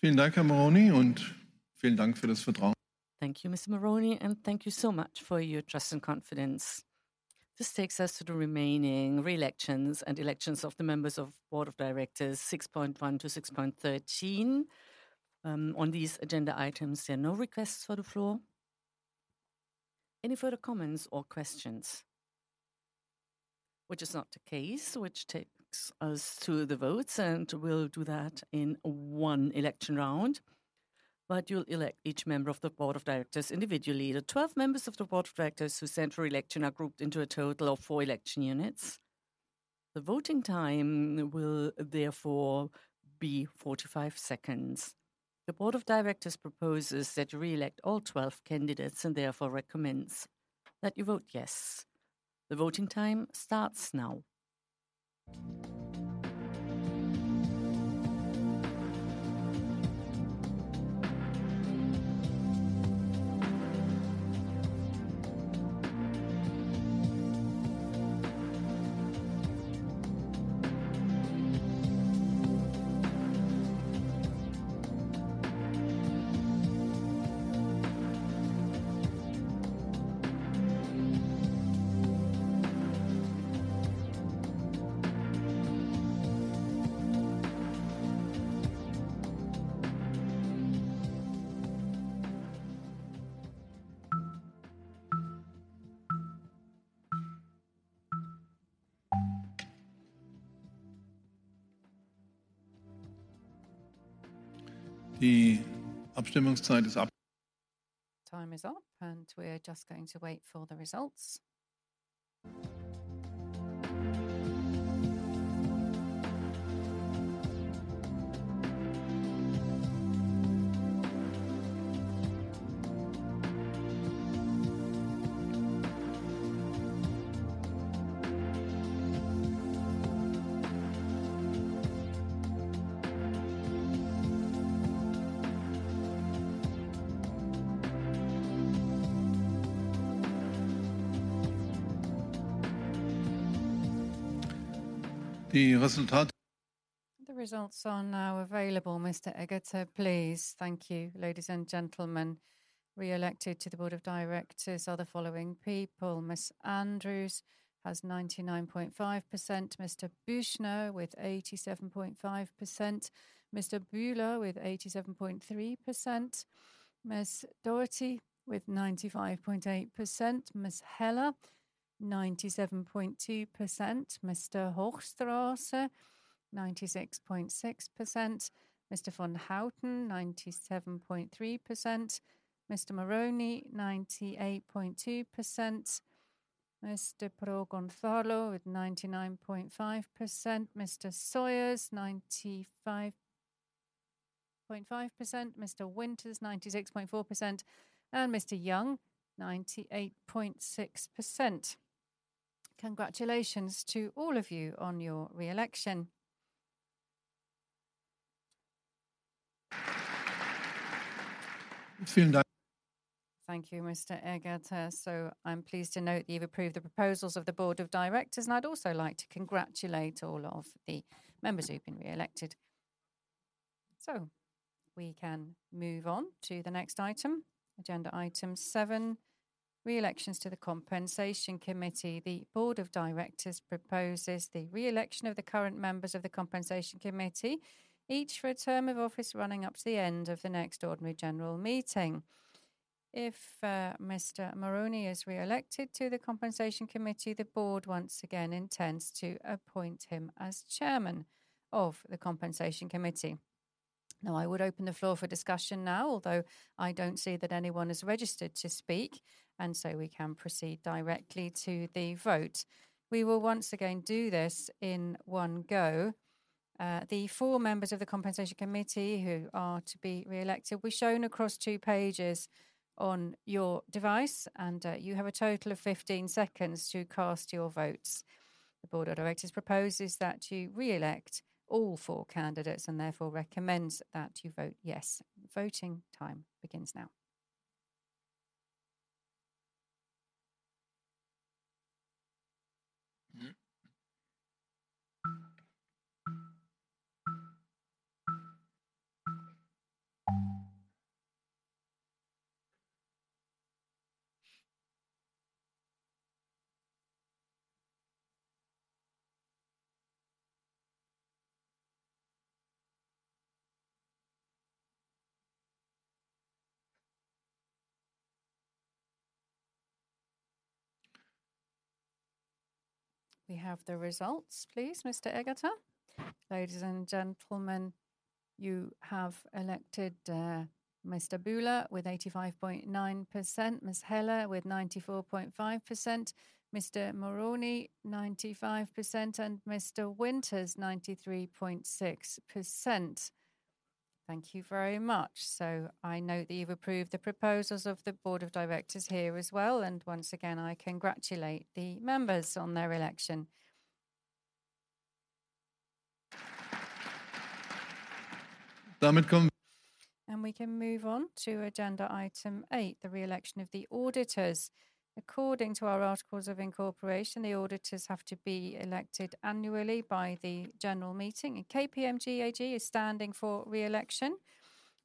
Vielen Dank, Herr Moroney, und vielen Dank für das Vertrauen. Thank you, Mr. Moroney, and thank you so much for your trust and confidence. This takes us to the remaining reelections and elections of the members of the Board of Directors, 6.1 to 6.13. On these agenda items, there are no requests for the floor. Any further comments or questions? Which is not the case, which takes us to the votes, and we'll do that in one election round. But you'll elect each member of the Board of Directors individually. The 12 members of the Board of Directors who stand for election are grouped into a total of four election units. The voting time will therefore be 45 seconds. The Board of Directors proposes that you reelect all 12 candidates and therefore recommends that you vote yes. The voting time starts now. Die Abstimmungszeit ist ab. Time is up, and we're just going to wait for the results. Die Resultate. The results are now available. Mr. Aegerter, please. Thank you. Ladies and gentlemen, reelected to the Board of Directors are the following people: Miss Andrews has 99.5%, Mr. Büchner with 87.5%, Mr. Bula with 87.3%, Ms. Doherty with 95.8%, Miss Heller 97.2%, Mr. Hochstrasser 96.6%, Mr. van Houten 97.3%, Mr. Moroney 98.2%, Ms. de Pro Gonzalo with 99.5%, Mr. Sawyers 95.5%, Mr. Winters 96.4%, and Mr. Young 98.6%. Congratulations to all of you on your reelection. Vielen Dank. Thank you, Mr. Aegerter. So I'm pleased to note that you've approved the proposals of the Board of Directors, and I'd also like to congratulate all of the members who've been reelected. So we can move on to the next item, agenda item seven, reelections to the compensation committee. The Board of Directors proposes the reelection of the current members of the compensation committee, each for a term of office running up to the end of the next ordinary general meeting. If Mr. Moroney is reelected to the compensation committee, the board once again intends to appoint him as chairman of the compensation committee. Now, I would open the floor for discussion now, although I don't see that anyone is registered to speak, and so we can proceed directly to the vote. We will once again do this in one go. The four members of the compensation committee who are to be reelected will be shown across two pages on your device, and you have a total of 15 seconds to cast your votes. The Board of Directors proposes that you reelect all four candidates and therefore recommends that you vote yes. Voting time begins now. We have the results, please, Mr. Aegerter. Ladies and gentlemen, you have elected Mr. Bula with 85.9%, Miss Heller with 94.5%, Mr. Moroney 95%, and Mr. Winters 93.6%. Thank you very much. So I note that you've approved the proposals of the Board of Directors here as well, and once again, I congratulate the members on their election. Damit kommen. And we can move on to agenda item eight, the reelection of the auditors. According to our articles of incorporation, the auditors have to be elected annually by the general meeting. KPMG AG is standing for reelection.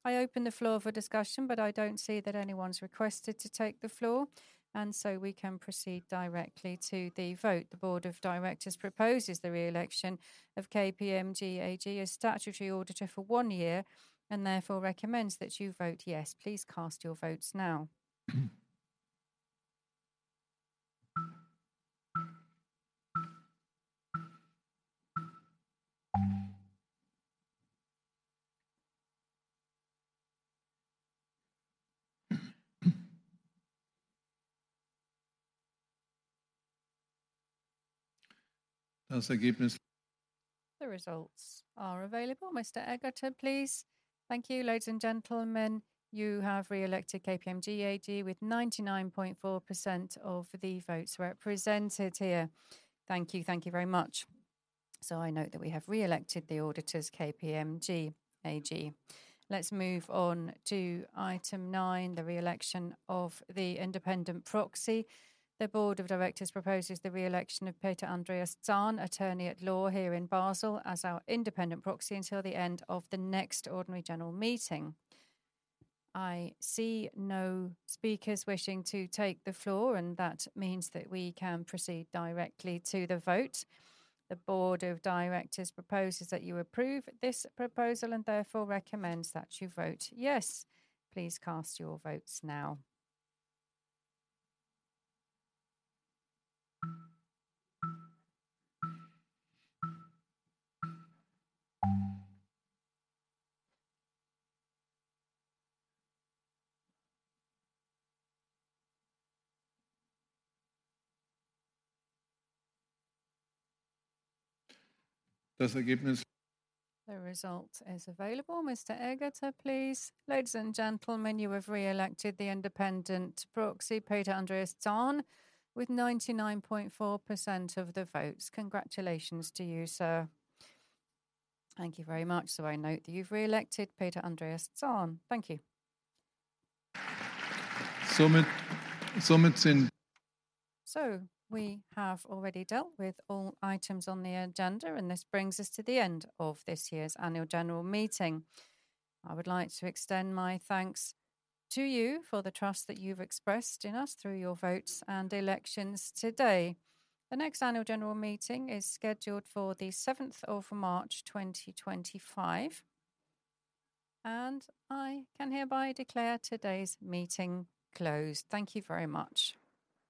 I open the floor for discussion, but I don't see that anyone's requested to take the floor, and so we can proceed directly to the vote. The Board of Directors proposes the reelection of KPMG AG as statutory auditor for one year and therefore recommends that you vote yes. Please cast your votes now. Das Ergebnis. The results are available. Mr. Aegerter, please. Thank you. Ladies and gentlemen, you have reelected KPMG AG with 99.4% of the votes represented here. Thank you. Thank you very much. So I note that we have reelected the auditors, KPMG AG. Let's move on to item 9, the reelection of the independent proxy. The Board of Directors proposes the reelection of Peter Andreas Zahn, attorney at law here in Basel, as our independent proxy until the end of the next ordinary general meeting. I see no speakers wishing to take the floor, and that means that we can proceed directly to the vote. The Board of Directors proposes that you approve this proposal and therefore recommends that you vote yes. Please cast your votes now. Das Ergebnis. The result is available. Mr. Aegerter, please. Ladies and gentlemen, you have reelected the independent proxy, Peter Andreas Zahn, with 99.4% of the votes. Congratulations to you, sir. Thank you very much. So I note that you've reelected Peter Andreas Zahn. Thank you. Somit sind. So we have already dealt with all items on the agenda, and this brings us to the end of this year's annual general meeting. I would like to extend my thanks to you for the trust that you've expressed in us through your votes and elections today. The next annual general meeting is scheduled for the 7th of March, 2025. I can hereby declare today's meeting closed. Thank you very much.